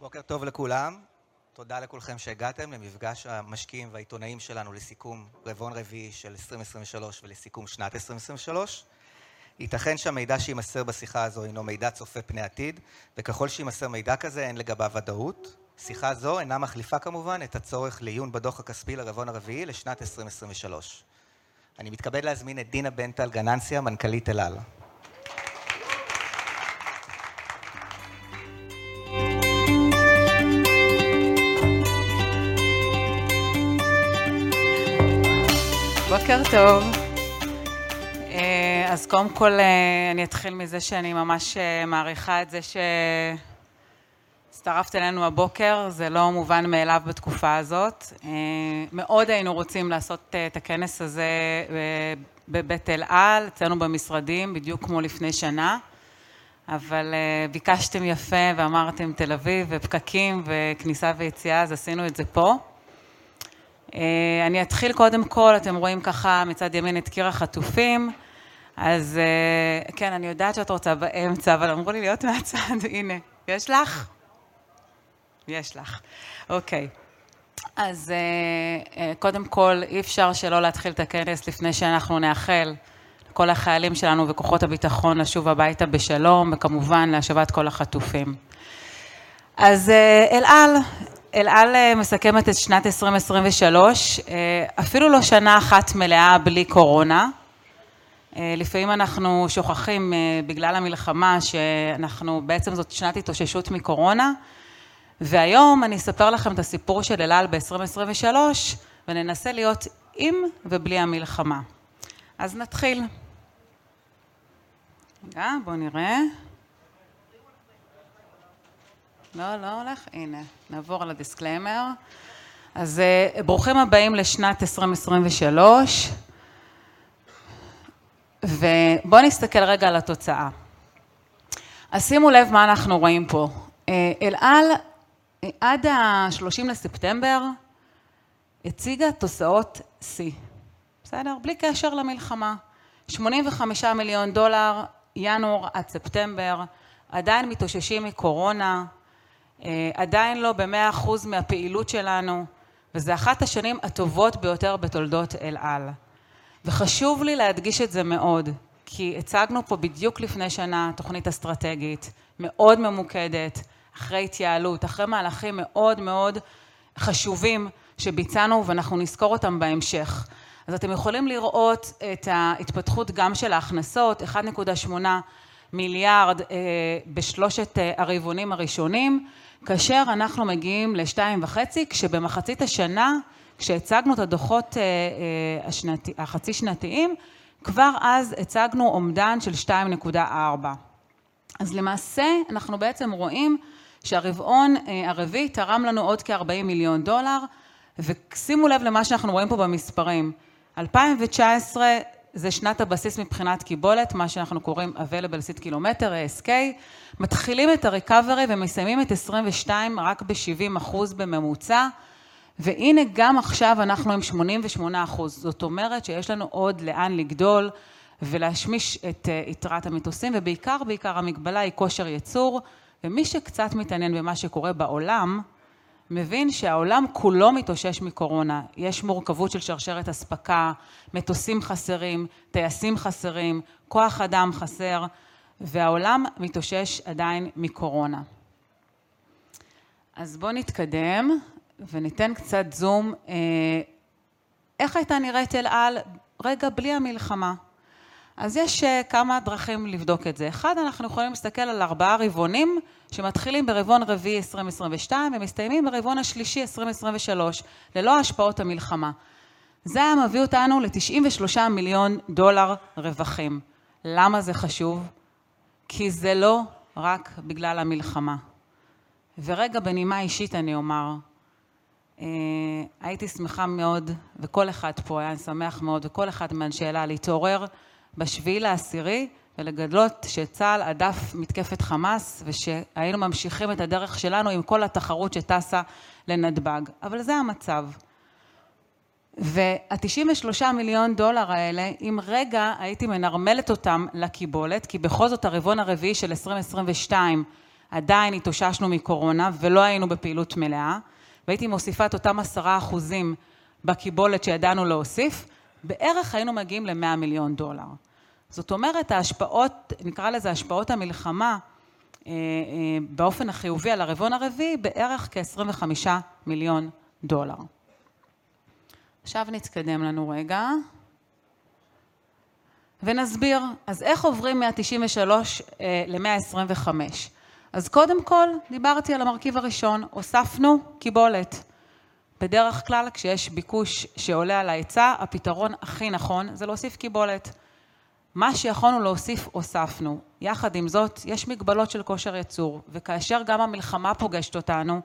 בוקר טוב לכולם, תודה לכולכם שהגעתם למפגש המשקיעים והעיתונאים שלנו לסיכום רבעון רביעי של 2023 ולסיכום שנת 2023. ייתכן שהמידע שימסר בשיחה הזו הינו מידע צופה פני עתיד, וככל שימסר מידע כזה, אין לגביו ודאות. שיחה זו אינה מחליפה כמובן את הצורך לעיון בדוח הכספי לרבעון הרביעי לשנת 2023. אני מתכבד להזמין את דינה בנטל גננסיה, מנכ"לית אל על. בוקר טוב. אז קודם כל, אני אתחיל מזה שאני ממש מעריכה את זה שהצטרפת אלינו הבוקר, זה לא מובן מאליו בתקופה הזאת. מאוד היינו רוצים לעשות את הכנס הזה בבית אל על, אצלנו במשרדים, בדיוק כמו לפני שנה, אבל ביקשתם יפה ואמרתם תל אביב ופקקים וכניסה ויציאה, אז עשינו את זה פה. אני אתחיל קודם כל, אתם רואים ככה מצד ימין את קיר החטופים, אז כן, אני יודעת שאת רוצה באמצע, אבל אמרו לי להיות מהצד, הנה, יש לך? יש לך. אוקיי. אז קודם כל, אי אפשר שלא להתחיל את הכנס לפני שאנחנו נאחל לכל החיילים שלנו וכוחות הביטחון לשוב הביתה בשלום וכמובן להשבת כל החטופים. אז אל על, אל על מסכמת את שנת 2023, אפילו לא שנה אחת מלאה בלי קורונה. לפעמים אנחנו שוכחים בגלל המלחמה שאנחנו... בעצם זאת שנת התאוששות מקורונה, והיום אני אספר לכם את הסיפור של אל על ב-2023 וננסה להיות עם ובלי המלחמה. אז נתחיל. רגע, בואו נראה. לא, לא הולך, הנה, נעבור על ה-Disclaimer. אז ברוכים הבאים לשנת 2023 ובואו נסתכל רגע על התוצאה. שימו לב מה אנחנו רואים פה, אל על עד ה-30 לספטמבר הציגה תוצאות שיא, בסדר? בלי קשר למלחמה, $85 מיליון, ינואר עד ספטמבר, עדיין מתאוששים מקורונה, עדיין לא ב-100% מהפעילות שלנו וזו אחת השנים הטובות ביותר בתולדות אל על. חשוב לי להדגיש את זה מאוד, כי הצגנו פה בדיוק לפני שנה תוכנית אסטרטגית מאוד ממוקדת, אחרי התייעלות, אחרי מהלכים מאוד מאוד חשובים שביצענו ואנחנו נזכור אותם בהמשך. אתם יכולים לראות את ההתפתחות גם של ההכנסות, $1.8 מיליארד בשלושת הרבעונים הראשונים, כאשר אנחנו מגיעים ל-$2.5 כשבמחצית השנה, כשהצגנו את הדו"ח החצי שנתיים, כבר אז הצגנו אומדן של $2.4. אז למעשה, אנחנו בעצם רואים שהרבעון הרביעי תרם לנו עוד כ-$40 מיליון ושימו לב למה שאנחנו רואים פה במספרים. 2019 זו שנת הבסיס מבחינת קיבולת, מה שאנחנו קוראים Available Seat Kilometer, ASK, מתחילים את ה-Recovery ומסיימים את 2022 רק ב-70% בממוצע והנה גם עכשיו אנחנו עם 88%, זאת אומרת שיש לנו עוד לאן לגדול ולהשמיש את יתרת המטוסים ובעיקר, בעיקר המגבלה היא כושר ייצור ומי שקצת מתעניין במה שקורה בעולם, מבין שהעולם כולו מתאושש מקורונה, יש מורכבות של שרשרת אספקה, מטוסים חסרים, טייסים חסרים, כוח אדם חסר והעולם מתאושש עדיין מקורונה. אז בואו נתקדם וניתן קצת זום, איך הייתה נראית אל על רגע בלי המלחמה. אז יש כמה דרכים לבדוק את זה, אחד, אנחנו יכולים להסתכל על ארבעה רבעונים שמתחילים ברבעון רביעי 2022 ומסתיימים ברבעון השלישי 2023, ללא השפעות המלחמה. זה היה מביא אותנו ל-$93 מיליון רווחים. למה זה חשוב? כי זה לא רק בגלל המלחמה. ורגע בנימה אישית אני אומר, הייתי שמחה מאוד וכל אחד פה היה שמח מאוד וכל אחד מאנשי אל על, להתעורר בשביעי לעשירי ולגלות שצה"ל עצר מתקפת חמאס ושהיינו ממשיכים את הדרך שלנו עם כל התחרות שטסה לנתב"ג, אבל זה המצב. וה-$93 מיליון האלה, אם רגע הייתי מנרמלת אותם לקיבולת, כי בכל זאת הרבעון הרביעי של 2022 עדיין התאוששנו מקורונה ולא היינו בפעילות מלאה והייתי מוסיפה את אותם 10% בקיבולת שידענו להוסיף, בערך היינו מגיעים ל-$100 מיליון. זאת אומרת, ההשפעות, נקרא לזה השפעות המלחמה באופן החיובי על הרבעון הרביעי, בערך כ-$25 מיליון. עכשיו נתקדם לנו רגע ונסביר, איך עוברים מ-$93 ל-$125? קודם כל, דיברתי על המרכיב הראשון, הוספנו קיבולת. בדרך כלל, כשיש ביקוש שעולה על ההיצע, הפתרון הכי נכון זה להוסיף קיבולת. מה שיכולנו להוסיף, הוספנו. יחד עם זאת, יש מגבלות של כושר ייצור וכאשר גם המלחמה פוגשת אותנו,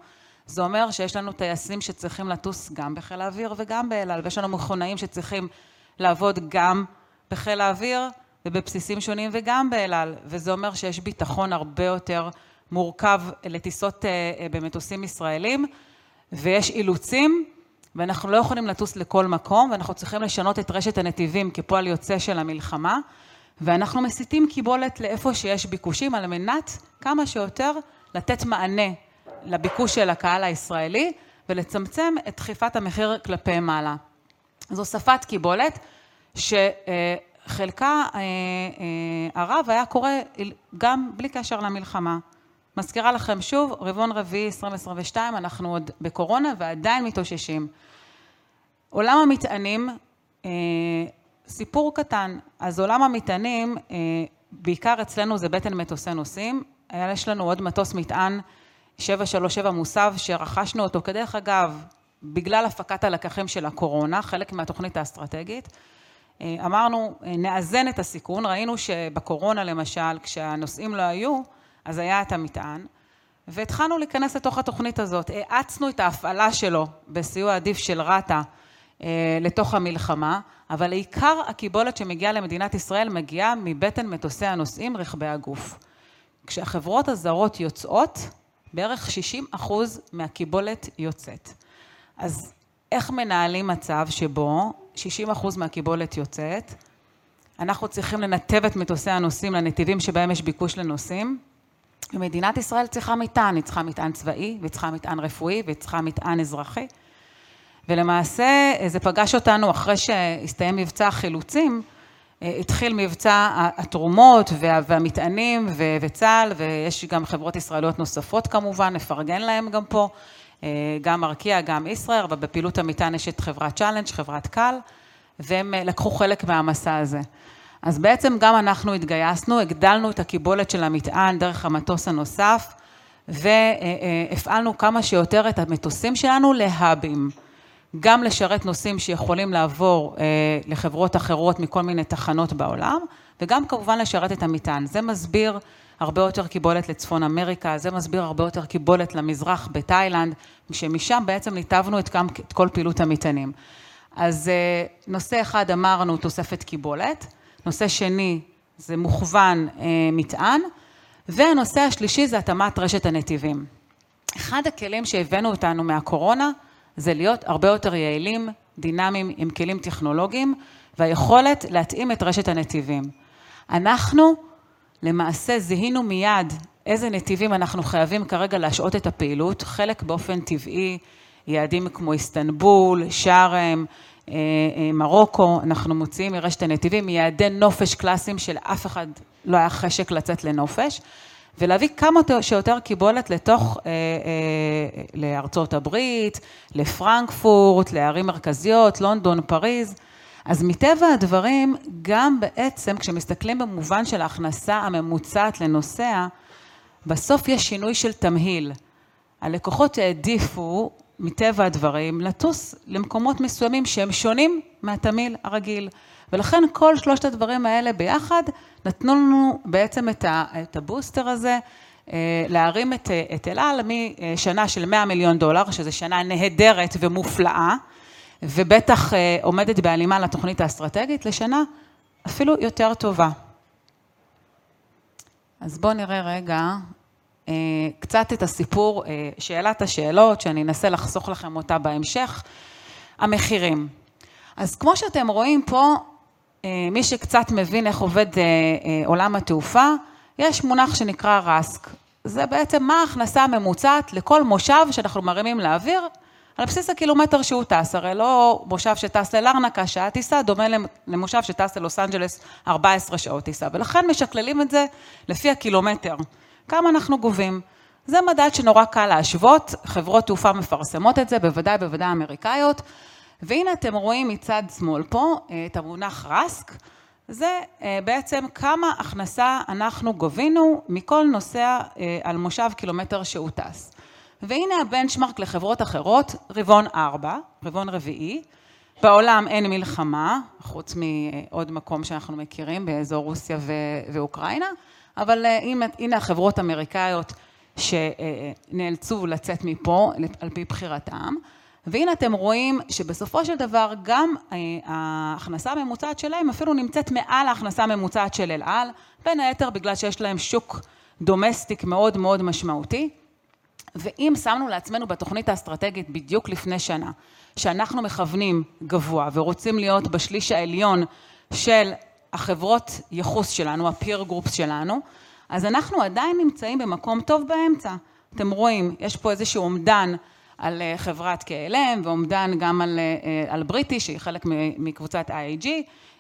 זה אומר שיש לנו טייסים שצריכים לטוס גם בחיל האוויר וגם באל על ויש לנו מכונאים שצריכים לעבוד גם בחיל האוויר ובבסיסים שונים וגם באל על. זה אומר שיש ביטחון הרבה יותר מורכב לטיסות במטוסים ישראלים ויש אילוצים ואנחנו לא יכולים לטוס לכל מקום ואנחנו צריכים לשנות את רשת הנתיבים, כפועל יוצא של המלחמה. אנחנו מסיטים קיבולת לאיפה שיש ביקושים, על מנת כמה שיותר לתת מענה לביקוש של הקהל הישראלי ולצמצם את דחיפת המחיר כלפי מעלה. זו הוספת קיבולת שחלקה הרב היה קורה גם בלי קשר למלחמה. מזכירה לכם שוב, רבעון רביעי 2022, אנחנו עוד בקורונה ועדיין מתאוששים. עולם המטענים, סיפור קטן. עולם המטענים, בעיקר אצלנו זה בטן מטוסי נוסעים. היה לנו עוד מטוס מטען 737 מוסב שרכשנו אותו, כדרך אגב, בגלל הפקת הלקחים של הקורונה, חלק מהתוכנית האסטרטגית. אמרנו נאזן את הסיכון, ראינו שבקורונה למשל, כשהנוסעים לא היו, אז היה את המטען והתחלנו להיכנס לתוך התוכנית הזאת. האצנו את ההפעלה שלו בסיוע עדיף של רט"א לתוך המלחמה, אבל עיקר הקיבולת שמגיעה למדינת ישראל מגיעה מבטן מטוסי הנוסעים, רכבי הגוף. כשהחברות הזרות יוצאות, בערך 60% מהקיבולת יוצאת. איך מנהלים מצב שבו 60% מהקיבולת יוצאת? אנחנו צריכים לנתב את מטוסי הנוסעים לנתיבים שבהם יש ביקוש לנוסעים ומדינת ישראל צריכה מטען, היא צריכה מטען צבאי והיא צריכה מטען רפואי והיא צריכה מטען אזרחי. ולמעשה, זה פגש אותנו אחרי שהסתיים מבצע החילוצים, התחיל מבצע התרומות והמטענים וצה"ל ויש גם חברות ישראליות נוספות כמובן, נפרגן להן גם פה, גם ערקיע, גם ישראל, אבל בפעילות המטען יש את חברת CHALLENGE, חברת קה"ל והם לקחו חלק מהמסע הזה. אז בעצם גם אנחנו התגייסנו, הגדלנו את הקיבולת של המטען דרך המטוס הנוסף והפעלנו כמה שיותר את המטוסים שלנו להובלות, גם לשרת נוסעים שיכולים לעבור לחברות אחרות מכל מיני תחנות בעולם וגם כמובן לשרת את המטען. זה מסביר הרבה יותר קיבולת לצפון אמריקה, זה מסביר הרבה יותר קיבולת למזרח בתאילנד, כשמשם בעצם ניתבנו את כל פעילות המטענים. אז נושא אחד אמרנו, תוספת קיבולת, נושא שני זה מוכוון מטען והנושא השלישי זה התאמת רשת הנתיבים. אחד הכלים שהבאנו איתנו מהקורונה זה להיות הרבה יותר יעילים, דינמיים עם כלים טכנולוגיים והיכולת להתאים את רשת הנתיבים. אנחנו למעשה זיהינו מיד איזה נתיבים אנחנו חייבים כרגע להשעות את הפעילות, חלק באופן טבעי, יעדים כמו איסטנבול, שארם, מרוקו. אנחנו מוציאים מרשת הנתיבים יעדי נופש קלאסיים שלאף אחד לא היה חשק לצאת לנופש ולהביא כמה שיותר קיבולת לתוך ארצות הברית, לפרנקפורט, לערים מרכזיות, לונדון, פריז. מטבע הדברים, גם בעצם כשמסתכלים במובן של ההכנסה הממוצעת לנוסע, בסוף יש שינוי של תמהיל. הלקוחות העדיפו מטבע הדברים לטוס למקומות מסוימים שהם שונים מהתמהיל הרגיל ולכן כל שלושת הדברים האלה ביחד נתנו לנו בעצם את הבוסטר הזה להרים את אל על משנה של $100 מיליון, שזו שנה נהדרת ומופלאה ובטח עומדת בהלימה לתוכנית האסטרטגית, לשנה אפילו יותר טובה. בואו נראה רגע קצת את הסיפור, שאלת השאלות, שאני אנסה לחסוך לכם אותה בהמשך, המחירים. אז כמו שאתם רואים פה, מי שקצת מבין איך עובד עולם התעופה, יש מונח שנקרא RASK. זה בעצם מה ההכנסה הממוצעת לכל מושב שאנחנו מרימים לאוויר, על בסיס הקילומטר שהוא טס. הרי לא מושב שטס ללרנקה שעה טיסה, דומה למושב שטס ללוס אנג'לס 14 שעות טיסה, ולכן משקללים את זה לפי הקילומטר. כמה אנחנו גובים? זה מדד שנורא קל להשוות, חברות תעופה מפרסמות את זה, בוודאי אמריקאיות. והנה אתם רואים מצד שמאל פה את המונח RASK, זה בעצם כמה הכנסה אנחנו גובים מכל נוסע על מושב קילומטר שהוא טס. והנה ה-Benchmark לחברות אחרות, רבעון רביעי, בעולם אין מלחמה, חוץ מעוד מקום שאנחנו מכירים באזור רוסיה ואוקראינה, אבל הנה החברות האמריקאיות שנאלצו לצאת מפה על פי בחירתן והנה אתם רואים שבסופו של דבר גם ההכנסה הממוצעת שלהן אפילו נמצאת מעל ההכנסה הממוצעת של אל על, בין היתר בגלל שיש להן שוק דומסטיק מאוד מאוד משמעותי. ואם שמנו לעצמנו בתוכנית האסטרטגית בדיוק לפני שנה, שאנחנו מכוונים גבוה ורוצים להיות בשליש העליון של החברות ייחוס שלנו, ה-Peer Groups שלנו, אז אנחנו עדיין נמצאים במקום טוב באמצע. אתם רואים, יש פה איזשהו אומדן על חברת KLM ואומדן גם על בריטיש איירווייז שהיא חלק מקבוצת IAG.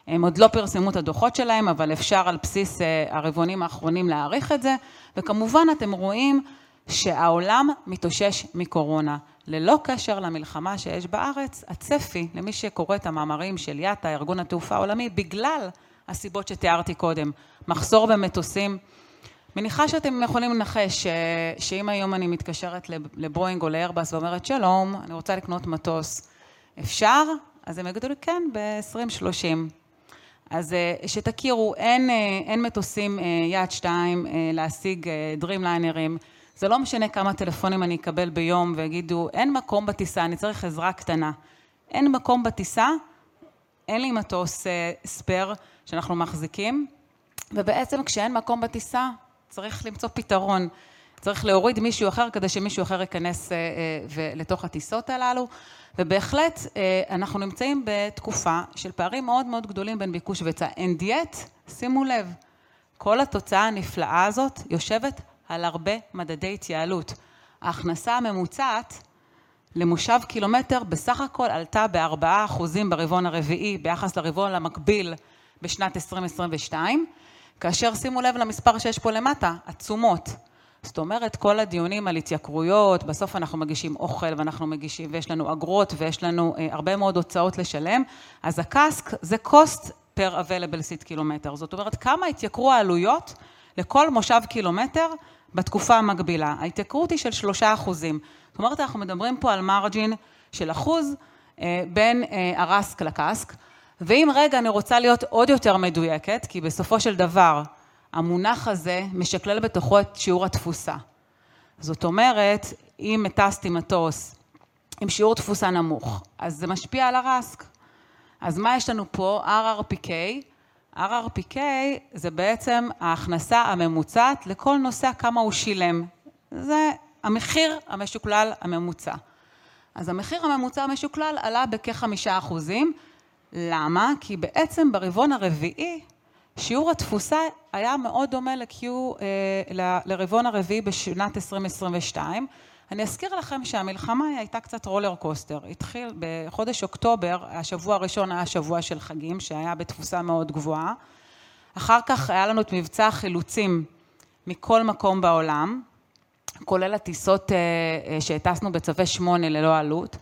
הם עוד לא פרסמו את הדוח שלהם, אבל אפשר על בסיס הרבעונים האחרונים להעריך את זה. כמובן אתם רואים שהעולם מתאושש מקורונה, ללא קשר למלחמה שיש בארץ. הצפי, למי שקורא את המאמרים של IATA, ארגון התעופה העולמי, בגלל הסיבות שתיארתי קודם - מחסור במטוסים. אני מניחה שאתם יכולים לנחש שאם היום אני מתקשרת לבואינג או לאיירבס ואומרת "שלום, אני רוצה לקנות מטוס, אפשר?" אז הם יגידו לי "כן, ב-2030". אז שתכירו, אין מטוסים. יעד שתיים להשיג דרימליינרים, זה לא משנה כמה טלפונים אני אקבל ביום ויגידו "אין מקום בטיסה, אני צריך עזרה קטנה". אין מקום בטיסה, אין לי מטוס ספייר שאנחנו מחזיקים. בעצם כשאין מקום בטיסה, צריך למצוא פתרון, צריך להוריד מישהו אחר כדי שמישהו אחר ייכנס לתוך הטיסות הללו. בהחלט אנחנו נמצאים בתקופה של פערים מאוד מאוד גדולים בין ביקוש להיצע. ועוד, שימו לב, כל התוצאה הנפלאה הזאת יושבת על הרבה מדדי התייעלות. ההכנסה הממוצעת למושב קילומטר בסך הכל עלתה ב-4% ברבעון הרביעי ביחס לרבעון המקביל בשנת 2022, כאשר שימו לב למספר שיש פה למטה, עצומות. זאת אומרת, כל הדיונים על התייקרויות, בסוף אנחנו מגישים אוכל ואנחנו מגישים ויש לנו אגרות ויש לנו הרבה מאוד הוצאות לשלם, אז ה-CASK זה Cost Per Available Seat Kilometer, זאת אומרת, כמה התייקרו העלויות לכל מושב קילומטר בתקופה המקבילה, ההתייקרות היא של 3%. זאת אומרת, אנחנו מדברים פה על מרג'ין של אחוז בין ה-RASK ל-CASK ואם רגע אני רוצה להיות עוד יותר מדויקת, כי בסופו של דבר המונח הזה משקלל בתוכו את שיעור התפוסה. זאת אומרת, אם טסת עם מטוס עם שיעור תפוסה נמוך, אז זה משפיע על ה-RASK. אז מה יש לנו פה? RRPK, RRPK זה בעצם ההכנסה הממוצעת לכל נוסע, כמה הוא שילם, זה המחיר המשוקלל הממוצע. אז המחיר הממוצע המשוקלל עלה בכ-5%, למה? כי בעצם ברבעון הרביעי שיעור התפוסה היה מאוד דומה לרבעון הרביעי בשנת 2022. אני אזכיר לכם שהמלחמה הייתה קצת רולר קוסטר, התחילה בחודש אוקטובר, השבוע הראשון היה שבוע של חגים שהיה בתפוסה מאוד גבוהה, אחר כך היה לנו את מבצע החילוצים מכל מקום בעולם, כולל הטיסות שטסנו בצווי שמונה ללא עלות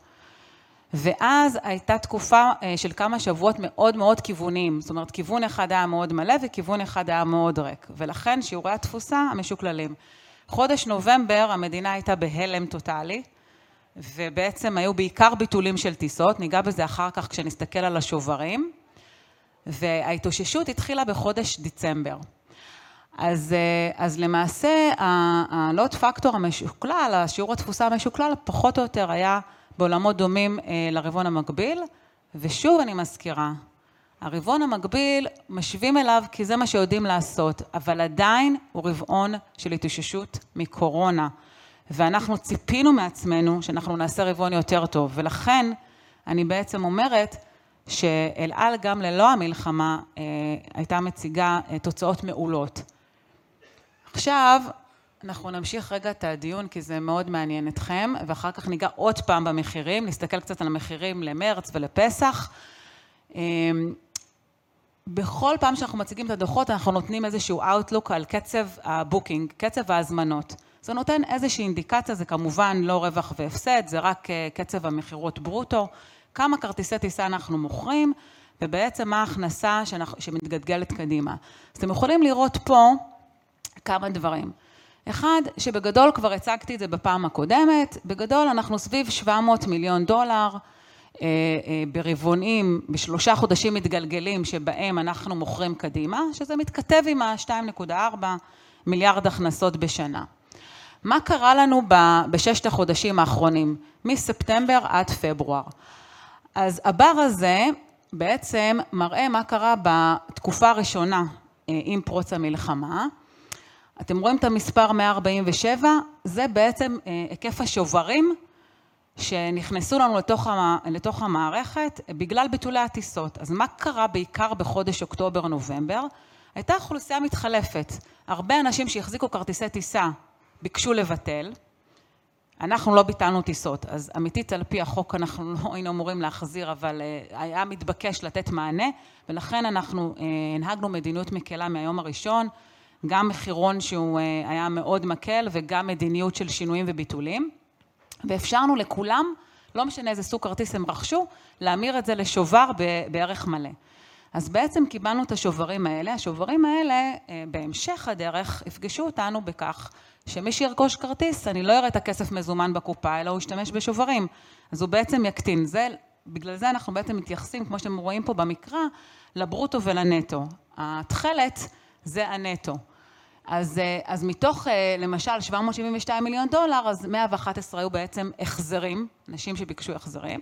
ואז הייתה תקופה של כמה שבועות מאוד מאוד כיווניים, זאת אומרת, כיוון אחד היה מאוד מלא וכיוון אחד היה מאוד ריק ולכן שיעורי התפוסה המשוקללים. חודש נובמבר, המדינה הייתה בהלם טוטאלי ובעצם היו בעיקר ביטולים של טיסות, נגע בזה אחר כך כשנסתכל על השוברים וההתאוששות התחילה בחודש דצמבר. אז למעשה, ה-Net Factor המשוקלל, שיעור התפוסה המשוקלל פחות או יותר היה בעולמות דומים לרבעון המקביל ושוב אני מזכירה, הרבעון המקביל משווים אליו כי זה מה שיודעים לעשות, אבל עדיין הוא רבעון של התאוששות מקורונה ואנחנו ציפינו מעצמנו שאנחנו נעשה רבעון יותר טוב ולכן אני בעצם אומרת שאל על גם ללא המלחמה הייתה מציגה תוצאות מעולות. עכשיו אנחנו נמשיך רגע את הדיון כי זה מאוד מעניין אתכם ואחר כך ניגע עוד פעם במחירים, נסתכל קצת על המחירים למרץ ולפסח. בכל פעם שאנחנו מציגים את הדוח, אנחנו נותנים איזשהו Outlook על קצב ה-Booking, קצב ההזמנות, זה נותן איזושהי אינדיקציה, זה כמובן לא רווח והפסד, זה רק קצב המכירות ברוטו, כמה כרטיסי טיסה אנחנו מוכרים ובעצם מה ההכנסה שמתגלגלת קדימה. אתם יכולים לראות פה כמה דברים. אחד, שבגדול כבר הצגתי את זה בפעם הקודמת, בגדול אנחנו סביב $700 מיליון ברבעונים, בשלושה חודשים מתגלגלים שבהם אנחנו מוכרים קדימה, שזה מתכתב עם ה-$2.4 מיליארד הכנסות בשנה. מה קרה לנו בששת החודשים האחרונים, מספטמבר עד פברואר? הבר הזה בעצם מראה מה קרה בתקופה הראשונה עם פרוץ המלחמה. אתם רואים את המספר 147, זה בעצם היקף השוברים שנכנסו לנו לתוך המערכת בגלל ביטולי הטיסות. מה קרה בעיקר בחודש אוקטובר-נובמבר? הייתה אוכלוסייה מתחלפת, הרבה אנשים שהחזיקו כרטיסי טיסה ביקשו לבטל. אנחנו לא ביטלנו טיסות, אמיתית, על פי החוק אנחנו לא היינו אמורים להחזיר, אבל היה מתבקש לתת מענה ולכן אנחנו הנהגנו מדיניות מקלה מהיום הראשון, גם מחירון שהוא היה מאוד מקל וגם מדיניות של שינויים וביטולים ואפשרנו לכולם, לא משנה איזה סוג כרטיס הם רכשו, להמיר את זה לשובר בערך מלא. אז בעצם קיבלנו את השוברים האלה. השוברים האלה בהמשך הדרך יפגשו אותנו בכך שמי שירכוש כרטיס, אני לא אראה את הכסף מזומן בקופה, אלא הוא ישתמש בשוברים, אז הוא בעצם יקטין. זה בגלל זה אנחנו בעצם מתייחסים, כמו שאתם רואים פה במקרא, לברוטו ולנטו. התכלת זה הנטו. מתוך למשל $772 מיליון, אז $111 מיליון היו בעצם החזרים, אנשים שביקשו החזרים,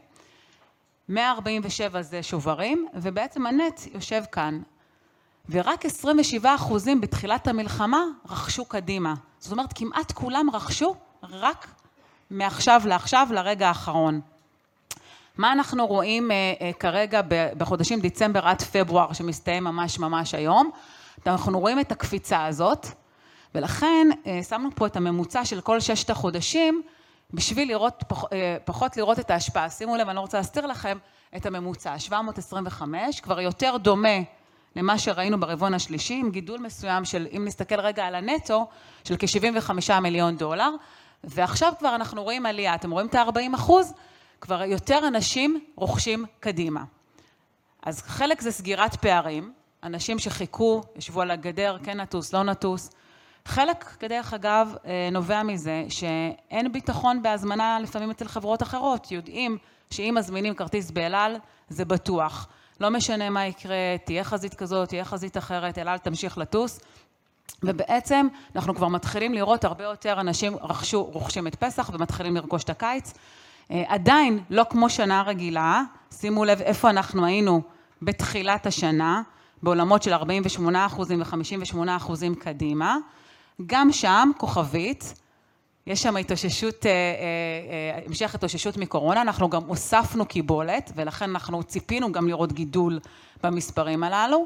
$147 מיליון זה שוברים ובעצם הנטו יושב כאן. רק 27% בתחילת המלחמה רכשו קדימה, זאת אומרת, כמעט כולם רכשו רק מעכשיו לעכשיו, לרגע האחרון. מה אנחנו רואים כרגע בחודשים דצמבר עד פברואר שמסתיים ממש ממש היום? אנחנו רואים את הקפיצה הזאת ולכן שמנו פה את הממוצע של כל ששת החודשים בשביל לראות פחות את ההשפעה. שימו לב, אני לא רוצה להסתיר לכם את הממוצע. 725 כבר יותר דומה למה שראינו ברבעון השלישי, עם גידול מסוים של, אם נסתכל רגע על הנטו של כ-$75 מיליון דולר ועכשיו כבר אנחנו רואים עלייה. אתם רואים את ה-40%? כבר יותר אנשים רוכשים קדימה. אז חלק זה סגירת פערים, אנשים שחיכו, ישבו על הגדר, כן לטוס, לא לטוס. חלק דרך אגב נובע מזה שאין ביטחון בהזמנה לפעמים אצל חברות אחרות. יודעים שאם מזמינים כרטיס באל על, זה בטוח, לא משנה מה יקרה, תהיה חזית כזאת, תהיה חזית אחרת, אל על תמשיך לטוס ובעצם אנחנו כבר מתחילים לראות הרבה יותר אנשים רוכשים את פסח ומתחילים לרכוש את הקיץ. עדיין לא כמו שנה רגילה, שימו לב איפה אנחנו היינו בתחילת השנה, בעולמות של 48% ו-58% קדימה. גם שם כוכבית, יש שם המשך התאוששות מקורונה, אנחנו גם הוספנו קיבולת ולכן אנחנו ציפינו גם לראות גידול במספרים הללו,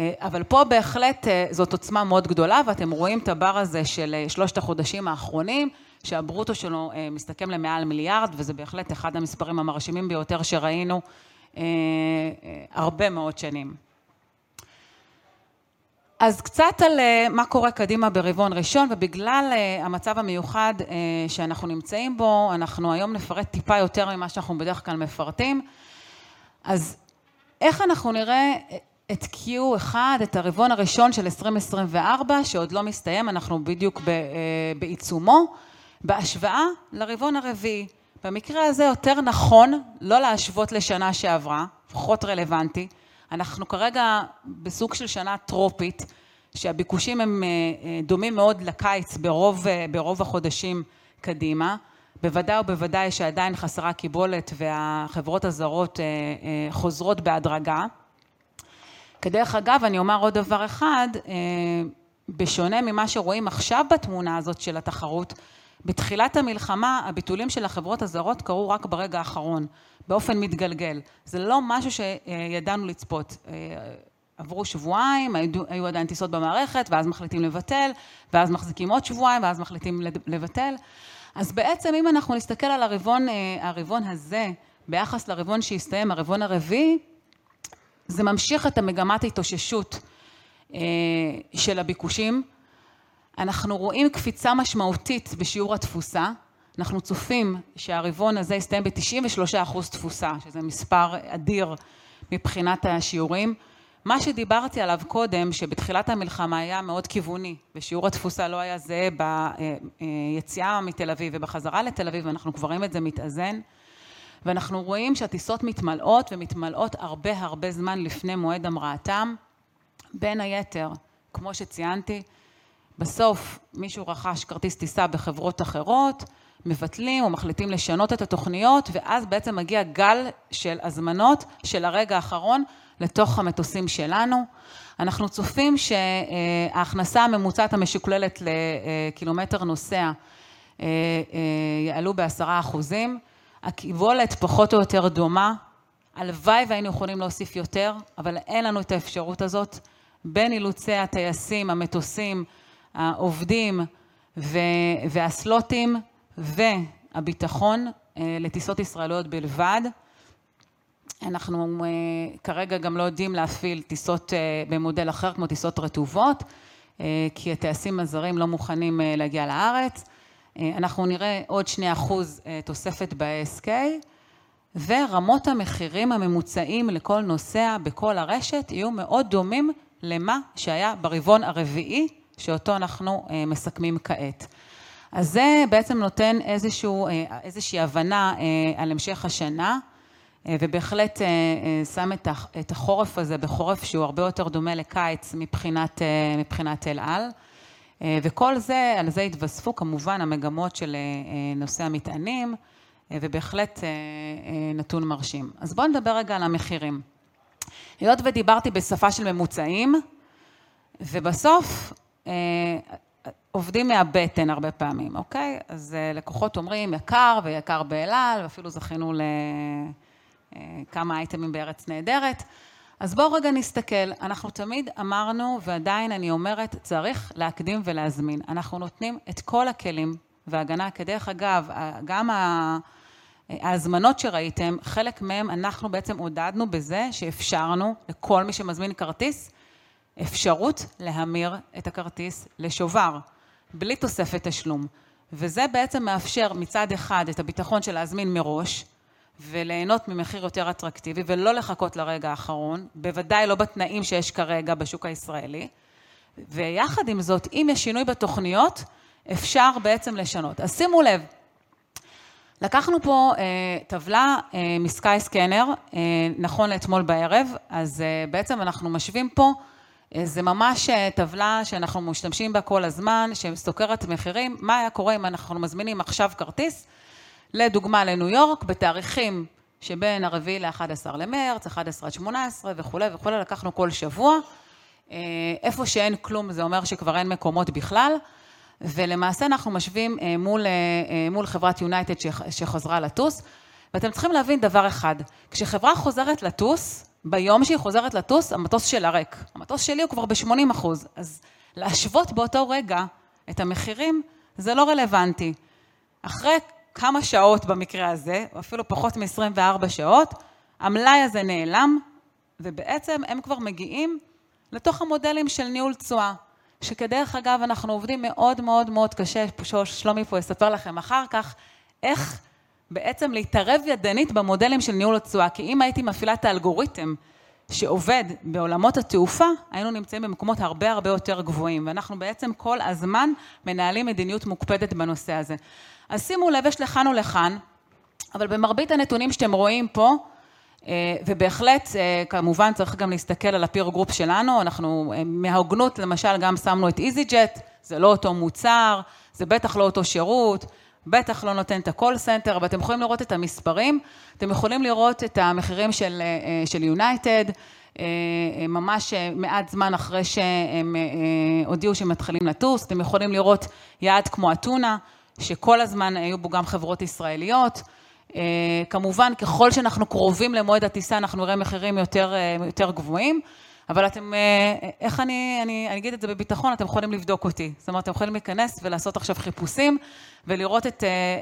אבל פה בהחלט זאת עוצמה מאוד גדולה ואתם רואים את הבר הזה של שלושת החודשים האחרונים, שהברוטו שלו מסתכם למעל מיליארד וזה בהחלט אחד המספרים המרשימים ביותר שראינו הרבה מאוד שנים. קצת על מה קורה קדימה ברבעון ראשון ובגלל המצב המיוחד שאנחנו נמצאים בו, אנחנו היום נפרט טיפה יותר ממה שאנחנו בדרך כלל מפרטים. איך אנחנו נראה את Q1, את הרבעון הראשון של 2024 שעוד לא מסתיים, אנחנו בדיוק בעיצומו, בהשוואה לרבעון הרביעי? במקרה הזה יותר נכון לא להשוות לשנה שעברה, פחות רלוונטי, אנחנו כרגע בסוג של שנה טרופית, שהביקושים הם דומים מאוד לקיץ ברוב החודשים קדימה, בוודאי שעדיין חסרה קיבולת והחברות הזרות חוזרות בהדרגה. כדרך אגב, אני אומר עוד דבר אחד. בשונה ממה שרואים עכשיו בתמונה הזאת של התחרות, בתחילת המלחמה הביטולים של החברות הזרות קרו רק ברגע האחרון, באופן מתגלגל. זה לא משהו שידענו לצפות. עברו שבועיים, היו עדיין טיסות במערכת ואז מחליטים לבטל ואז מחזיקים עוד שבועיים ואז מחליטים לבטל. אז בעצם אם אנחנו נסתכל על הרבעון הזה ביחס לרבעון שהסתיים, הרבעון הרביעי, זה ממשיך את מגמת ההתאוששות של הביקושים. אנחנו רואים קפיצה משמעותית בשיעור התפוסה, אנחנו צופים שהרבעון הזה יסתיים ב-93% תפוסה, שזה מספר אדיר מבחינת השיעורים. מה שדיברתי עליו קודם, שבתחילת המלחמה היה מאוד כיווני ושיעור התפוסה לא היה זהה ביציאה מתל אביב ובחזרה לתל אביב, אנחנו כבר רואים את זה מתאזן ואנחנו רואים שהטיסות מתמלאות ומתמלאות הרבה הרבה זמן לפני מועד המראתן. בין היתר, כמו שציינתי, בסוף מישהו רכש כרטיס טיסה בחברות אחרות, מבטלים או מחליטים לשנות את התוכניות ואז בעצם מגיע גל של הזמנות של הרגע האחרון לתוך המטוסים שלנו. אנחנו צופים שההכנסה הממוצעת המשוקללת לקילומטר נוסע יעלו ב-10%, הקיבולת פחות או יותר דומה, הלוואי והיינו יכולים להוסיף יותר, אבל אין לנו את האפשרות הזאת, בין אילוצי הטייסים, המטוסים, העובדים והסלוטים והביטחון לטיסות ישראליות בלבד. אנחנו כרגע גם לא יודעים להפעיל טיסות במודל אחר כמו טיסות רטובות, כי הטייסים הזרים לא מוכנים להגיע לארץ. אנחנו נראה עוד 2% תוספת ב-ASK ורמות המחירים הממוצעים לכל נוסע בכל הרשת יהיו מאוד דומים למה שהיה ברבעון הרביעי שאותו אנחנו מסכמים כעת. אז זה בעצם נותן איזושהי הבנה על המשך השנה ובהחלט שם את החורף הזה בחורף שהוא הרבה יותר דומה לקיץ מבחינת אל על וכל זה. על זה יתווספו כמובן המגמות של נושא המטענים ובהחלט נתון מרשים. בואו נדבר רגע על המחירים. היות ודיברתי בשפה של ממוצעים ובסוף עובדים מהבטן הרבה פעמים, לקוחות אומרים יקר ויקר באל על ואפילו זכינו לכמה אייטמים בארץ נהדרת. בואו רגע נסתכל, אנחנו תמיד אמרנו ועדיין אני אומרת, צריך להקדים ולהזמין, אנחנו נותנים את כל הכלים וההגנה. כדרך אגב, גם ההזמנות שראיתם, חלק מהן אנחנו בעצם עודדנו בזה שאפשרנו לכל מי שמזמין כרטיס, אפשרות להמיר את הכרטיס לשובר בלי תוספת תשלום וזה בעצם מאפשר מצד אחד את הביטחון של להזמין מראש וליהנות ממחיר יותר אטרקטיבי ולא לחכות לרגע האחרון, בוודאי לא בתנאים שיש כרגע בשוק הישראלי ויחד עם זאת, אם יש שינוי בתוכניות, אפשר בעצם לשנות. אז שימו לב, לקחנו פה טבלה מסקיי סקנר, נכון לאתמול בערב. בעצם אנחנו משווים פה, זו ממש טבלה שאנחנו משתמשים בה כל הזמן, שסוקרת מחירים. מה היה קורה אם אנחנו מזמינים עכשיו כרטיס, לדוגמה לניו יורק, בתאריכים שבין הרביעי ל-11 למרץ, 11 עד 18 וכו' וכו'. לקחנו כל שבוע. איפה שאין כלום זה אומר שכבר אין מקומות בכלל. למעשה אנחנו משווים מול חברת יונייטד שחזרה לטוס ואתם צריכים להבין דבר אחד: כשחברה חוזרת לטוס, ביום שהיא חוזרת לטוס, המטוס שלה ריק. המטוס שלי הוא כבר ב-80%. להשוות באותו רגע את המחירים זה לא רלוונטי. אחרי כמה שעות במקרה הזה, או אפילו פחות מ-24 שעות, המלאי הזה נעלם ובעצם הם כבר מגיעים לתוך המודלים של ניהול תשואה. שכדרך אגב, אנחנו עובדים מאוד מאוד מאוד קשה, שלומי פה יספר לכם אחר כך איך בעצם להתערב ידנית במודלים של ניהול התשואה, כי אם הייתי מפעילה את האלגוריתם שעובד בעולמות התעופה, היינו נמצאים במקומות הרבה הרבה יותר גבוהים ואנחנו בעצם כל הזמן מנהלים מדיניות מוקפדת בנושא הזה. אז שימו לב, יש לכאן ולכאן, אבל במרבית הנתונים שאתם רואים פה ובהחלט כמובן צריך גם להסתכל על הקבוצת השוואה שלנו. אנחנו מההוגנות למשל גם שמנו את EasyJet, זה לא אותו מוצר, זה בטח לא אותו שירות, בטח לא נותן את מוקד השירות, אבל אתם יכולים לראות את המספרים, אתם יכולים לראות את המחירים של יונייטד ממש מעט זמן אחרי שהם הודיעו שהם מתחילים לטוס. אתם יכולים לראות יעד כמו אתונה, שכל הזמן היו בו גם חברות ישראליות. כמובן ככל שאנחנו קרובים למועד הטיסה, אנחנו נראה מחירים יותר ויותר גבוהים, אבל איך אני אגיד את זה בביטחון - אתם יכולים לבדוק אותי, זאת אומרת, אתם יכולים להיכנס ולעשות עכשיו חיפושים ולראות